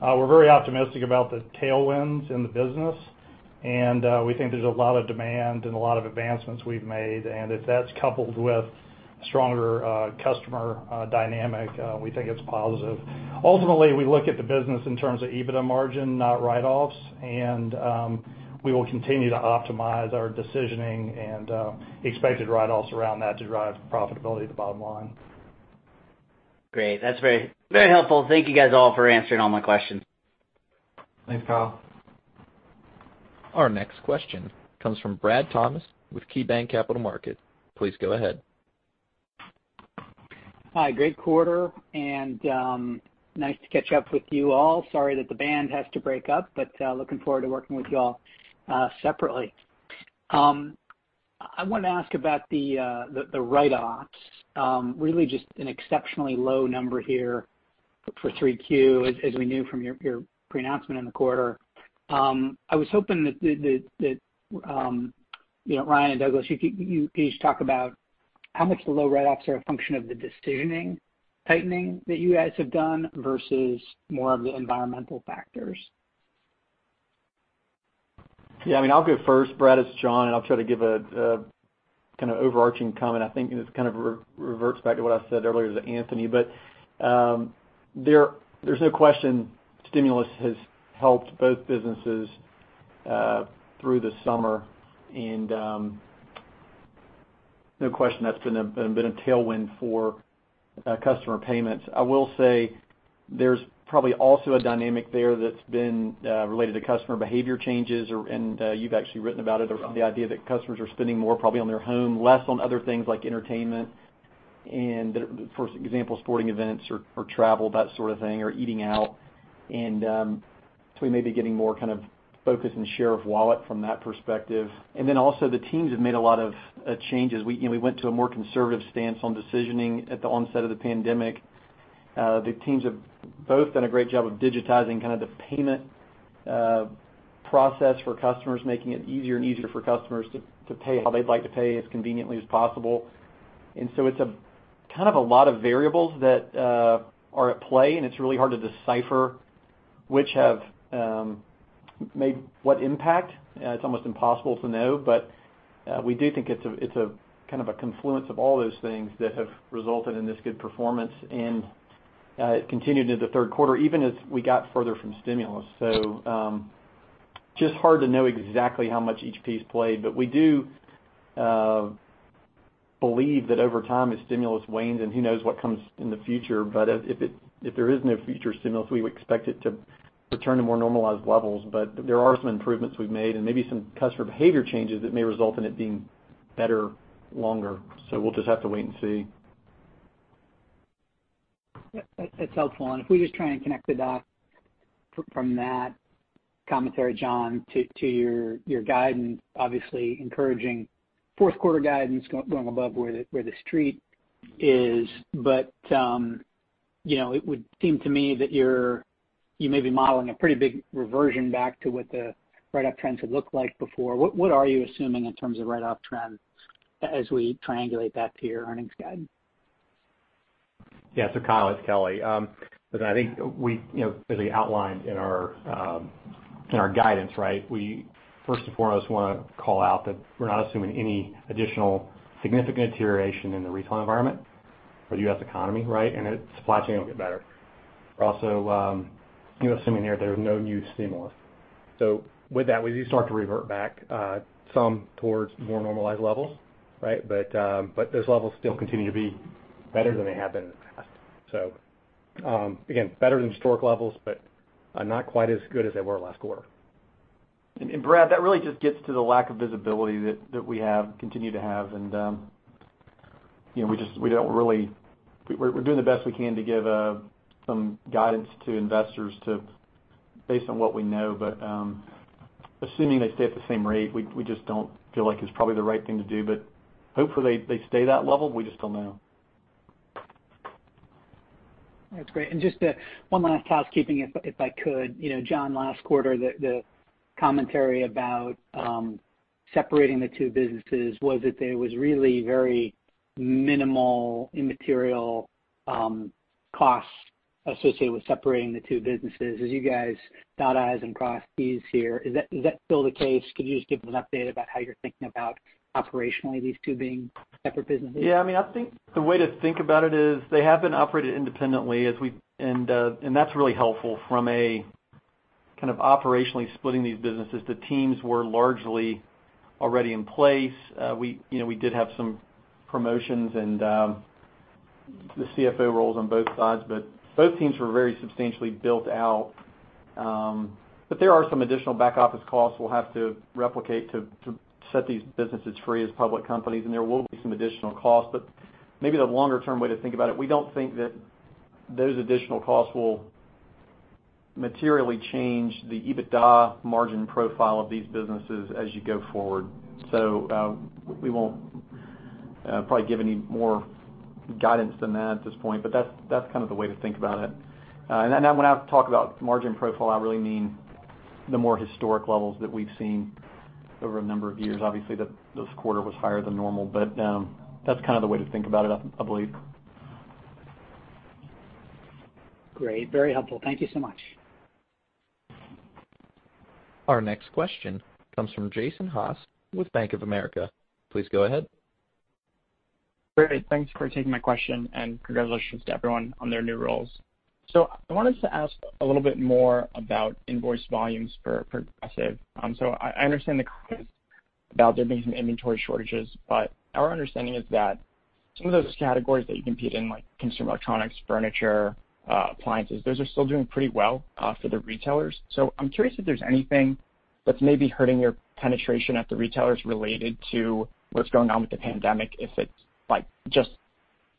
We're very optimistic about the tailwinds in the business, and we think there's a lot of demand and a lot of advancements we've made. If that's coupled with a stronger customer dynamic, we think it's positive. Ultimately, we look at the business in terms of EBITDA margin, not write-offs, and we will continue to optimize our decisioning and expected write-offs around that to drive profitability at the bottom line. Great. That's very helpful. Thank you guys all for answering all my questions. Thanks, Kyle. Our next question comes from Brad Thomas with KeyBanc Capital Markets. Please go ahead. Hi, great quarter, and nice to catch up with you all. Sorry that the band has to break up, but looking forward to working with you all separately. I want to ask about the write-offs. Really just an exceptionally low number here for 3Q, as we knew from your pre-announcement in the quarter. I was hoping that, Ryan and Douglas, you could each talk about how much the low write-offs are a function of the decisioning tightening that you guys have done versus more of the environmental factors. Yeah, I'll go first, Brad. It's John, and I'll try to give a kind of overarching comment. There's no question stimulus has helped both businesses through the summer, and no question that's been a tailwind for customer payments. I will say there's probably also a dynamic there that's been related to customer behavior changes, and you've actually written about it, the idea that customers are spending more probably on their home, less on other things like entertainment and, for example, sporting events or travel, that sort of thing, or eating out. We may be getting more kind of focus and share of wallet from that perspective and then also the teams have made a lot of changes. We went to a more conservative stance on decisioning at the onset of the pandemic The teams have both done a great job of digitizing the payment process for customers, making it easier and easier for customers to pay how they'd like to pay as conveniently as possible. It's a lot of variables that are at play, and it's really hard to decipher which have made what impact. It's almost impossible to know. We do think it's a confluence of all those things that have resulted in this good performance, and it continued into the third quarter, even as we got further from stimulus. Just hard to know exactly how much each piece played. We do believe that over time, as stimulus wanes, and who knows what comes in the future, but if there is no future stimulus, we would expect it to return to more normalized levels. Here are some improvements we've made and maybe some customer behavior changes that may result in it being better longer, so we'll just have to wait and see. That's helpful. If we just try and connect the dots from that commentary, John, to your guidance, obviously encouraging fourth quarter guidance going above where the Street is. It would seem to me that you may be modeling a pretty big reversion back to what the write-off trends had looked like before. What are you assuming in terms of write-off trends as we triangulate that to your earnings guide? Yeah. Kyle, it's Kelly. I think as we outlined in our guidance, we first and foremost want to call out that we're not assuming any additional significant deterioration in the retail environment or the U.S. economy, right? Its supply chain will get better. We're also assuming here there's no new stimulus. With that, we do start to revert back some towards more normalized levels. Those levels still continue to be better than they have been in the past. Again, better than historic levels, not quite as good as they were last quarter. Brad, that really just gets to the lack of visibility that we continue to have. We're doing the best we can to give some guidance to investors based on what we know. Assuming they stay at the same rate, we just don't feel like it's probably the right thing to do. Hopefully they stay that level. We just don't know. That's great. Just one last housekeeping, if I could. John, last quarter, the commentary about separating the two businesses was that there was really very minimal immaterial costs associated with separating the two businesses. As you guys dot Is and cross Ts here, is that still the case? Could you just give us an update about how you're thinking about operationally these two being separate businesses? Yeah, I think the way to think about it is they have been operated independently, and that's really helpful from a kind of operationally splitting these businesses. The teams were largely already in place. We did have some promotions in the CFO roles on both sides, but both teams were very substantially built out. There are some additional back-office costs we'll have to replicate to set these businesses free as public companies, and there will be some additional costs. Maybe the longer-term way to think about it, we don't think that those additional costs will materially change the EBITDA margin profile of these businesses as you go forward. We won't probably give any more guidance than that at this point but that's the way to think about it. When I talk about margin profile, I really mean the more historic levels that we've seen over a number of years. Obviously, this quarter was higher than normal but that's the way to think about it, I believe. Great. Very helpful. Thank you so much. Our next question comes from Jason Haas with Bank of America. Please go ahead. Great. Thanks for taking my question, and congratulations to everyone on their new roles. I wanted to ask a little bit more about invoice volumes for Progressive. I understand the comments about there being some inventory shortages, but our understanding is that some of those categories that you compete in, like consumer electronics, furniture, appliances, those are still doing pretty well for the retailers. I'm curious if there's anything that's maybe hurting your penetration at the retailers related to what's going on with the pandemic, if it's just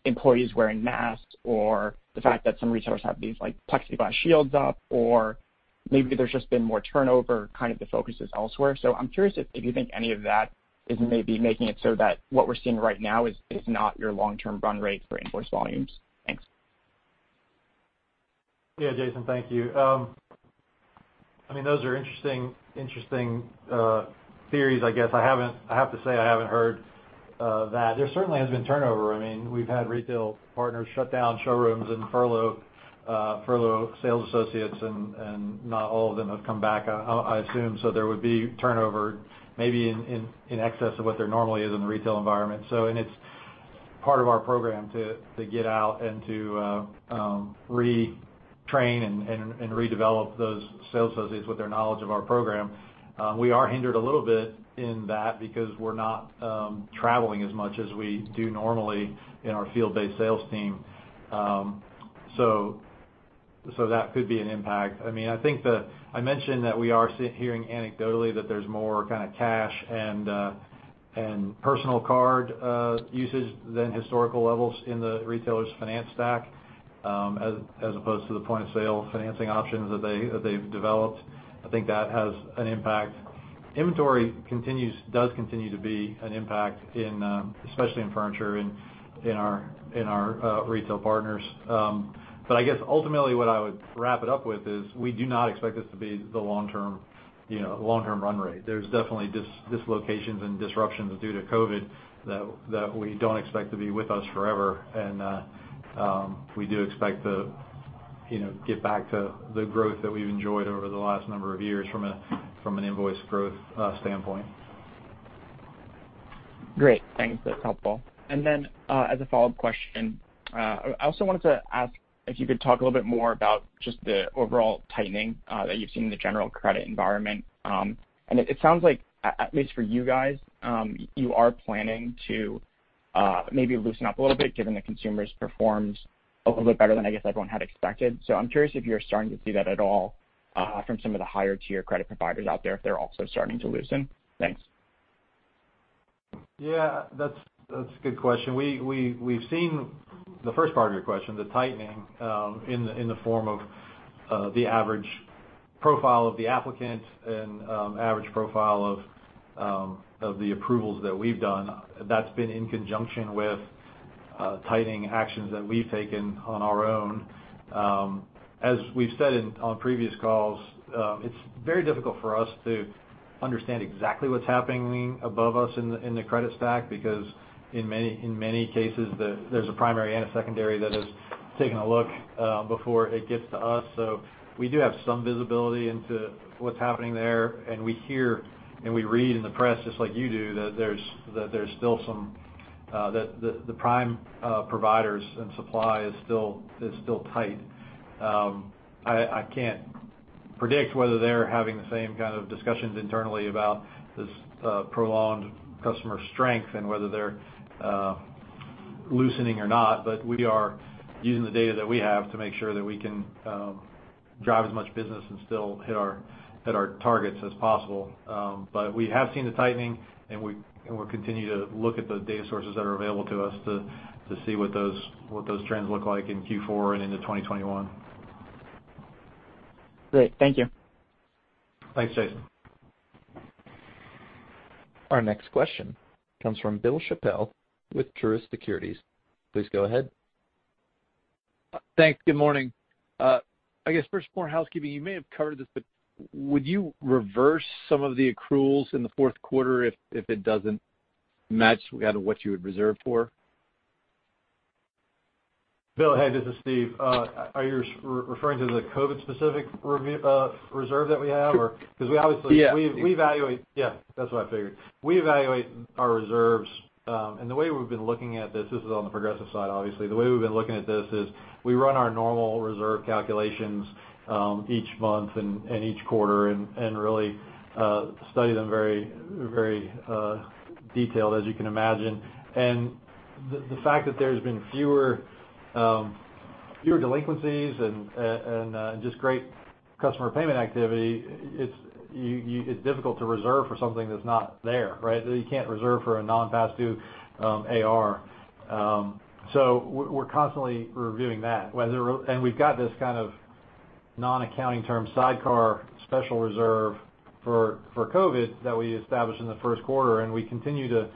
employees wearing masks or the fact that some retailers have these Plexiglas shields up, or maybe there's just been more turnover, kind of the focus is elsewhere. I'm curious if you think any of that is maybe making it so that what we're seeing right now is not your long-term run rate for invoice volumes. Thanks. Jason, thank you. Those are interesting theories, I guess. I have to say, I haven't heard that. There certainly has been turnover. We've had retail partners shut down showrooms and furlough sales associates, and not all of them have come back, I assume. There would be turnover maybe in excess of what there normally is in the retail environment. It's part of our program to get out and to retrain and redevelop those sales associates with their knowledge of our program. We are hindered a little bit in that because we're not traveling as much as we do normally in our field-based sales team so that could be an impact. I mentioned that we are hearing anecdotally that there's more kind of cash and personal card usage than historical levels in the retailers' finance stack, as opposed to the point-of-sale financing options that they've developed. I think that has an impact. Inventory does continue to be an impact, especially in furniture and in our retail partners. Ultimately what I would wrap it up with is we do not expect this to be the long-term run rate. There's definitely dislocations and disruptions due to COVID that we don't expect to be with us forever. We do expect to get back to the growth that we've enjoyed over the last number of years from an invoice growth standpoint. Great. Thanks. That's helpful. And then as a follow-up question, I also wanted to ask if you could talk a little bit more about just the overall tightening that you've seen in the general credit environment. It sounds like, at least for you guys, you are planning to maybe loosen up a little bit, given that consumers performed a little bit better than I guess everyone had expected. I'm curious if you're starting to see that at all from some of the higher-tier credit providers out there, if they're also starting to loosen. Thanks. Yeah. That's a good question. We've seen the first part of your question, the tightening, in the form of the average profile of the applicant and average profile of the approvals that we've done. That's been in conjunction with tightening actions that we've taken on our own. As we've said on previous calls, it's very difficult for us to understand exactly what's happening above us in the credit stack, because in many cases, there's a primary and a secondary that has taken a look before it gets to us. We do have some visibility into what's happening there, and we hear and we read in the press, just like you do, that the prime providers and supply is still tight. I can't predict whether they're having the same kind of discussions internally about this prolonged customer strength and whether they're loosening or not, but we are using the data that we have to make sure that we can drive as much business and still hit our targets as possible. We have seen the tightening, and we'll continue to look at the data sources that are available to us to see what those trends look like in Q4 and into 2021. Great. Thank you. Thanks, Jason. Our next question comes from Bill Chappell with Truist Securities. Please go ahead. Thanks. Good morning. I guess first, more housekeeping. You may have covered this, but would you reverse some of the accruals in the fourth quarter if it doesn't match kind of what you had reserved for? Bill, hey. This is Steve. Are you referring to the COVID-specific reserve that we have or- Sure. Yeah. Yeah, that's what I figured. We evaluate our reserves. The way we've been looking at this is on the Progressive side, obviously. The way we've been looking at this is we run our normal reserve calculations each month and each quarter and really study them very detailed, as you can imagine. The fact that there's been fewer delinquencies and just great customer payment activity, it's difficult to reserve for something that's not there, right? You can't reserve for a non-past-due AR. We're constantly reviewing that. We've got this kind of non-accounting term sidecar special reserve for COVID that we established in the first quarter, and we continue to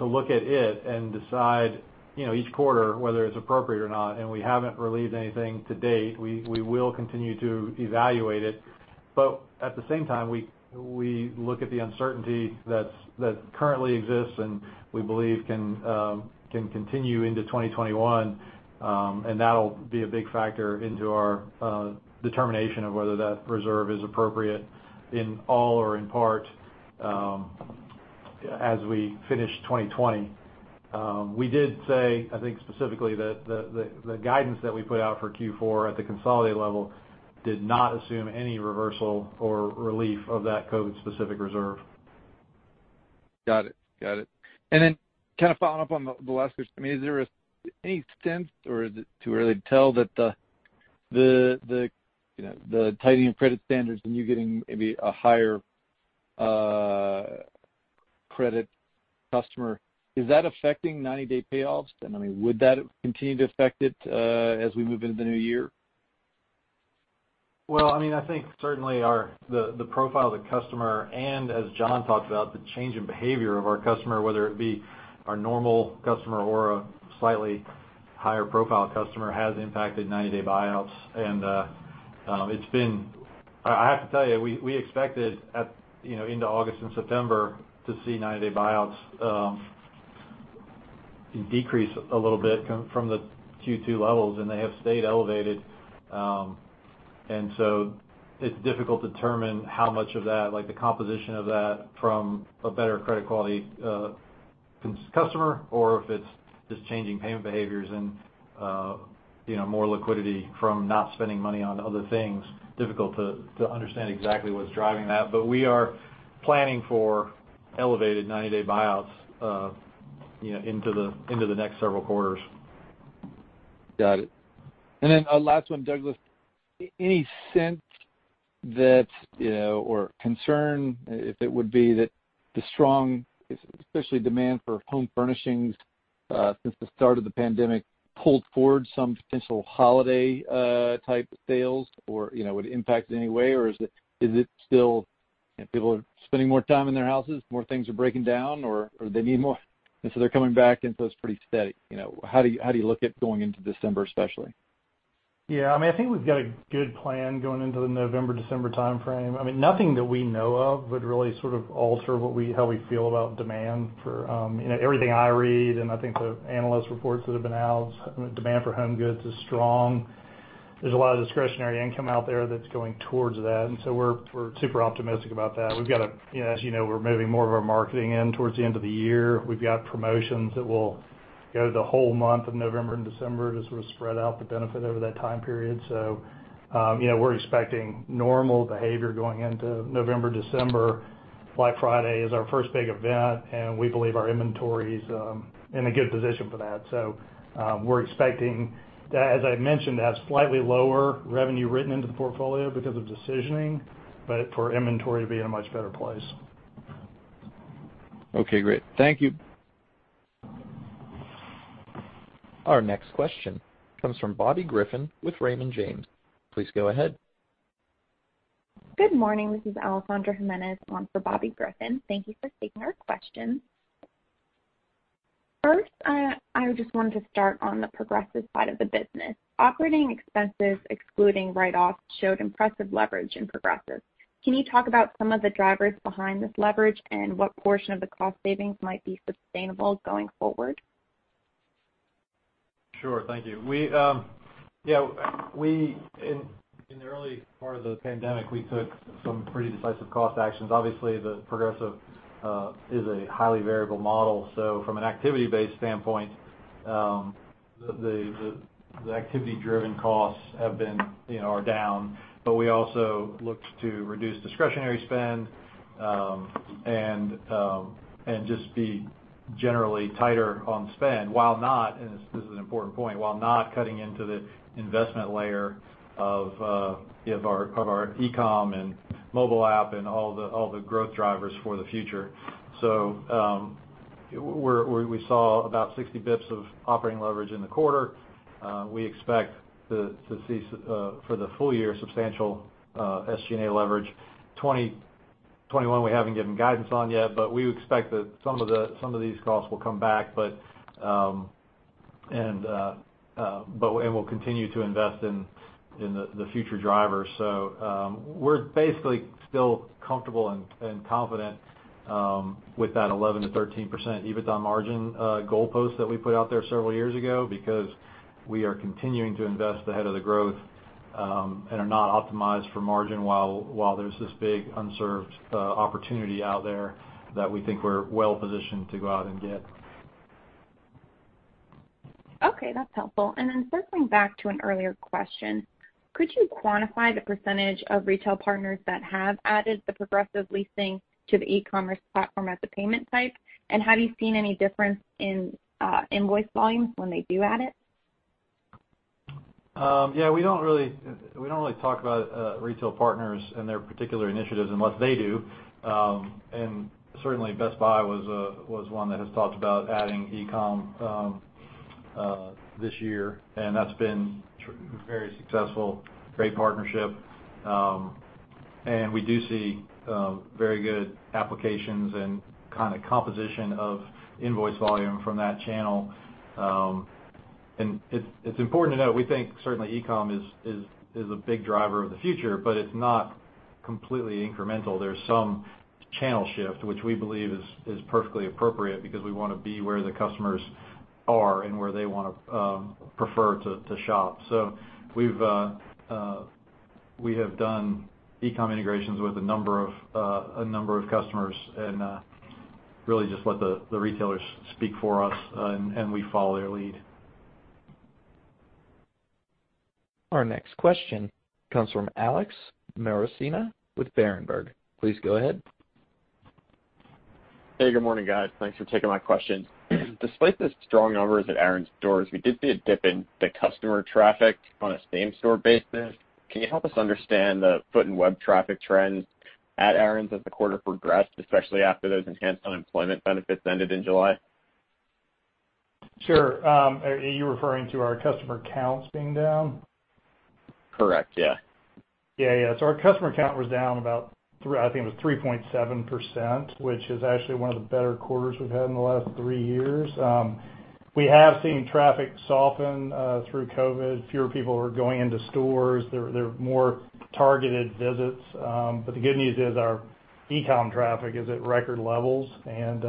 look at it and decide, each quarter, whether it's appropriate or not. We haven't released anything to date. We will continue to evaluate it. At the same time, we look at the uncertainty that currently exists and we believe can continue into 2021. That'll be a big factor into our determination of whether that reserve is appropriate in all or in part as we finish 2020. We did say, I think specifically, the guidance that we put out for Q4 at the consolidated level did not assume any reversal or relief of that COVID-specific reserve. Got it. Kind of following up on the last question, I mean, is there any sense, or is it too early to tell, that the tightening of credit standards and you getting maybe a higher credit customer, is that affecting 90-day payoffs? I mean, would that continue to affect it as we move into the new year? Well, I mean, I think certainly the profile of the customer and, as John talked about, the change in behavior of our customer, whether it be our normal customer or a slightly higher profile customer, has impacted 90-day buyouts. I have to tell you, we expected into August and September to see 90-day buyouts decrease a little bit from the Q2 levels, and they have stayed elevated and so it's difficult to determine how much of that, like the composition of that from a better credit quality customer or if it's just changing payment behaviors and more liquidity from not spending money on other things. Difficult to understand exactly what's driving that. We are planning for elevated 90-day buyouts into the next several quarters. Got it. A last one, Douglas. Any sense or concern, if it would be, that the strong, especially demand for home furnishings since the start of the pandemic pulled forward some potential holiday type sales? Would it impact in any way? Is it still people are spending more time in their houses, more things are breaking down, or they need more, and so they're coming back, and so it's pretty steady? How do you look at going into December, especially? Yeah, I think we've got a good plan going into the November/December timeframe. Nothing that we know of would really sort of alter how we feel about demand for. Everything I read, and I think the analyst reports that have been out, demand for home goods is strong. There's a lot of discretionary income out there that's going towards that. We're super optimistic about that. As you know, we're moving more of our marketing in towards the end of the year. We've got promotions that will go the whole month of November and December to sort of spread out the benefit over that time period. We're expecting normal behavior going into November, December. Black Friday is our first big event, and we believe our inventory's in a good position for that. We're expecting, as I mentioned, to have slightly lower revenue written into the portfolio because of decisioning, but for inventory to be in a much better place. Okay, great. Thank you. Our next question comes from Bobby Griffin with Raymond James. Please go ahead. Good morning. This is Alessandra Jimenez on for Bobby Griffin. Thank you for taking our questions. I just wanted to start on the Progressive side of the business. Operating expenses, excluding write-offs, showed impressive leverage in Progressive. Can you talk about some of the drivers behind this leverage and what portion of the cost savings might be sustainable going forward? Sure. Thank you. In the early part of the pandemic, we took some pretty decisive cost actions. Obviously, Progressive is a highly variable model. From an activity-based standpoint, the activity-driven costs are down. We also looked to reduce discretionary spend, and just be generally tighter on spend, and this is an important point, while not cutting into the investment layer of our e-com and mobile app and all the growth drivers for the future. We saw about 60 basis points of operating leverage in the quarter. We expect to see, for the full year, substantial SG&A leverage. 2021, we haven't given guidance on yet. We would expect that some of these costs will come back, and we'll continue to invest in the future drivers. We're basically still comfortable and confident with that 11%-13% EBITDA margin goalpost that we put out there several years ago because we are continuing to invest ahead of the growth, and are not optimized for margin while there's this big unserved opportunity out there that we think we're well-positioned to go out and get. Okay, that's helpful. Circling back to an earlier question, could you quantify the percentage of retail partners that have added the Progressive Leasing to the e-commerce platform as a payment type? Have you seen any difference in invoice volumes when they do add it? Yeah, we don't really talk about retail partners and their particular initiatives unless they do. Certainly Best Buy was one that has talked about adding e-com this year, and that's been very successful. Great partnership. We do see very good applications and kind of composition of invoice volume from that channel. It's important to note, we think certainly e-com is a big driver of the future, but it's not completely incremental. There's some channel shift, which we believe is perfectly appropriate because we want to be where the customers are and where they want to prefer to shop. We have done e-com integrations with a number of customers and really just let the retailers speak for us, and we follow their lead. Our next question comes from` Alex Maroccia with Berenberg. Please go ahead. Hey, good morning, guys. Thanks for taking my questions. Despite the strong numbers at Aaron's stores, we did see a dip in the customer traffic on a same-store basis. Can you help us understand the foot and web traffic trends at Aaron's as the quarter progressed, especially after those enhanced unemployment benefits ended in July? Sure. Are you referring to our customer counts being down? Correct, yeah. Yeah. Our customer count was down about, I think it was 3.7%, which is actually one of the better quarters we've had in the last three years. We have seen traffic soften through COVID. Fewer people are going into stores. There are more targeted visits. The good news is our e-com traffic is at record levels, and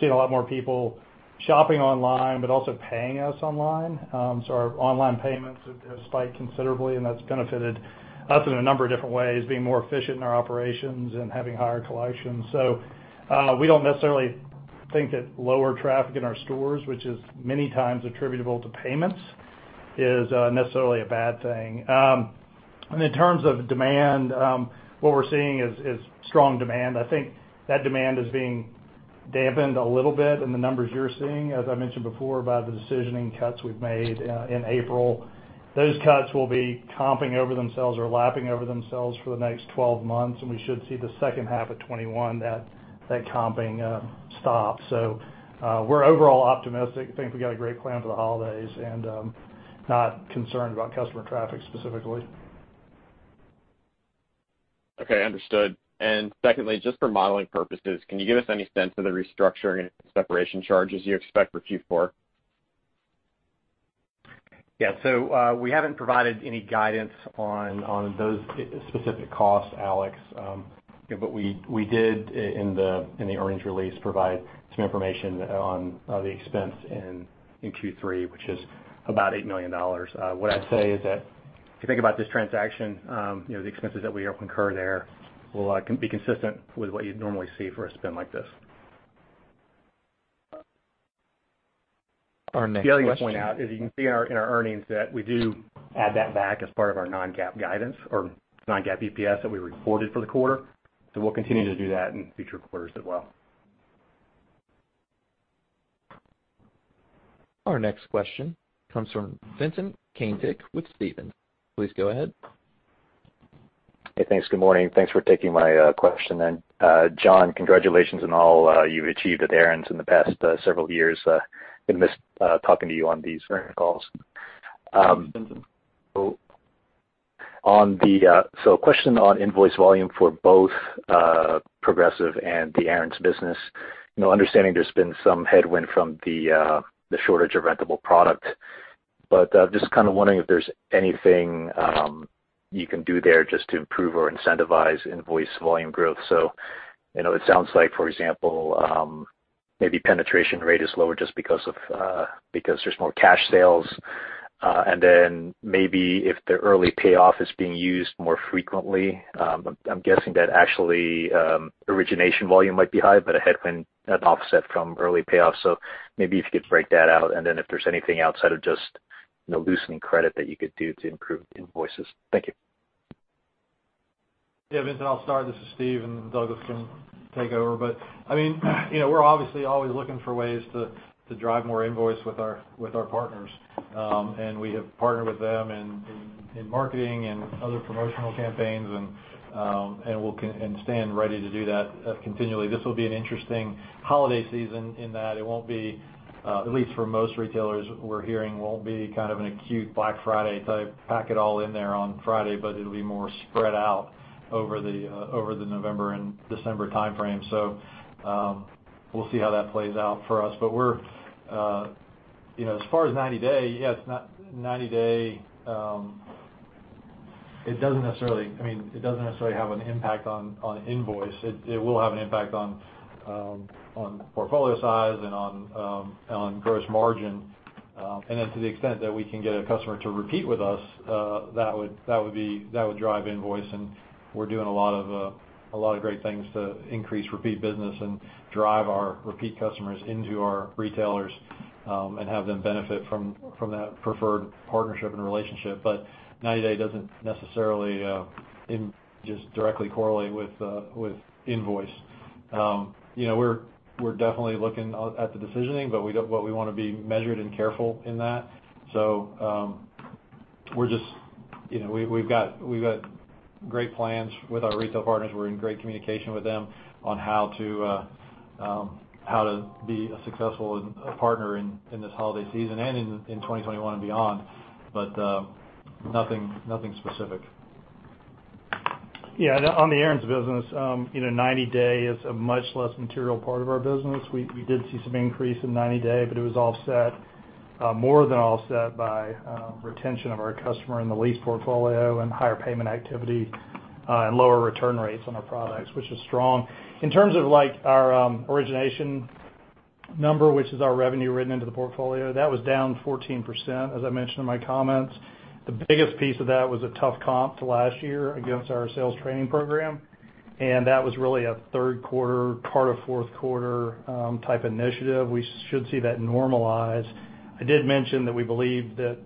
seeing a lot more people shopping online, but also paying us online. Our online payments have spiked considerably, and that's benefited us in a number of different ways, being more efficient in our operations and having higher collections. We don't necessarily think that lower traffic in our stores, which is many times attributable to payments, is necessarily a bad thing. In terms of demand, what we're seeing is strong demand. I think that demand is being dampened a little bit in the numbers you're seeing, as I mentioned before, by the decisioning cuts we've made in April. Those cuts will be comping over themselves or lapping over themselves for the next 12 months. We should see the second half of 2021. That comping stop. We're overall optimistic. We think we got a great plan for the holidays and not concerned about customer traffic specifically. Okay, understood. Secondly, just for modeling purposes, can you give us any sense of the restructuring and separation charges you expect for Q4? Yeah. We haven't provided any guidance on those specific costs, Alex. We did, in the earnings release, provide some information on the expense in Q3, which is about $8 million. What I'd say is that if you think about this transaction, the expenses that we incur there will be consistent with what you'd normally see for a spin like this. Our next question- The other thing to point out is you can see in our earnings that we do add that back as part of our non-GAAP guidance or non-GAAP EPS that we reported for the quarter. We'll continue to do that in future quarters as well. Our next question comes from Vincent Caintic with Stephens. Please go ahead. Hey, thanks. Good morning. Thanks for taking my question then. John, congratulations on all you've achieved at Aaron's in the past several years. Been missed talking to you on these earnings calls. Question on invoice volume for both Progressive and the Aaron's Business. Understanding there's been some headwind from the shortage of rentable product. Just kind of wondering if there's anything you can do there just to improve or incentivize invoice volume growth. It sounds like, for example, maybe penetration rate is lower just because there's more cash sales and then maybe if the early payoff is being used more frequently, I'm guessing that actually origination volume might be high, but a headwind, an offset from early payoff. Maybe if you could break that out, and then if there's anything outside of just loosening credit that you could do to improve invoices. Thank you. Yeah, Vincent, I'll start. This is Steve, and Douglas can take over. We're obviously always looking for ways to drive more invoice with our partners. We have partnered with them in marketing and other promotional campaigns, and stand ready to do that continually. This will be an interesting holiday season in that it won't be, at least for most retailers we're hearing, won't be kind of an acute Black Friday type pack it all in there on Friday, but it'll be more spread out over the November and December timeframe. We'll see how that plays out for us. As far as 90-day, it doesn't necessarily have an impact on invoice. It will have an impact on portfolio size and on gross margin. To the extent that we can get a customer to repeat with us, that would drive invoice, and we're doing a lot of great things to increase repeat business and drive our repeat customers into our retailers, and have them benefit from that preferred partnership and relationship. 90-day doesn't necessarily just directly correlate with invoice. We're definitely looking at the decisioning, but we want to be measured and careful in that. We've got great plans with our retail partners. We're in great communication with them on how to be a successful partner in this holiday season and in 2021 and beyond but nothing specific. Yeah, on the Aaron's Business, 90-day is a much less material part of our business. We did see some increase in 90-day, but it was more than offset by retention of our customer in the lease portfolio and higher payment activity, and lower return rates on our products, which is strong. In terms of our origination number, which is our revenue written into the portfolio, that was down 14%, as I mentioned in my comments. The biggest piece of that was a tough comp to last year against our sales training program, and that was really a third quarter, part of fourth quarter type initiative. We should see that normalize. I did mention that we believe that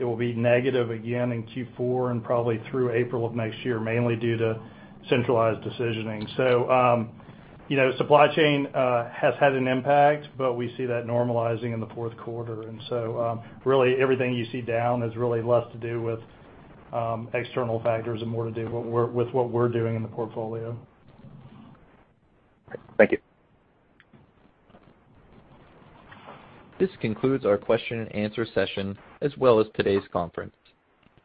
it will be negative again in Q4 and probably through April of next year, mainly due to centralized decisioning. Supply chain has had an impact, but we see that normalizing in the fourth quarter. Really everything you see down is really less to do with external factors and more to do with what we're doing in the portfolio. Thank you. This concludes our question-and-answer session, as well as today's conference.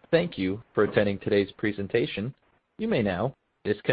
Thank you for attending today's presentation. You may now disconnect.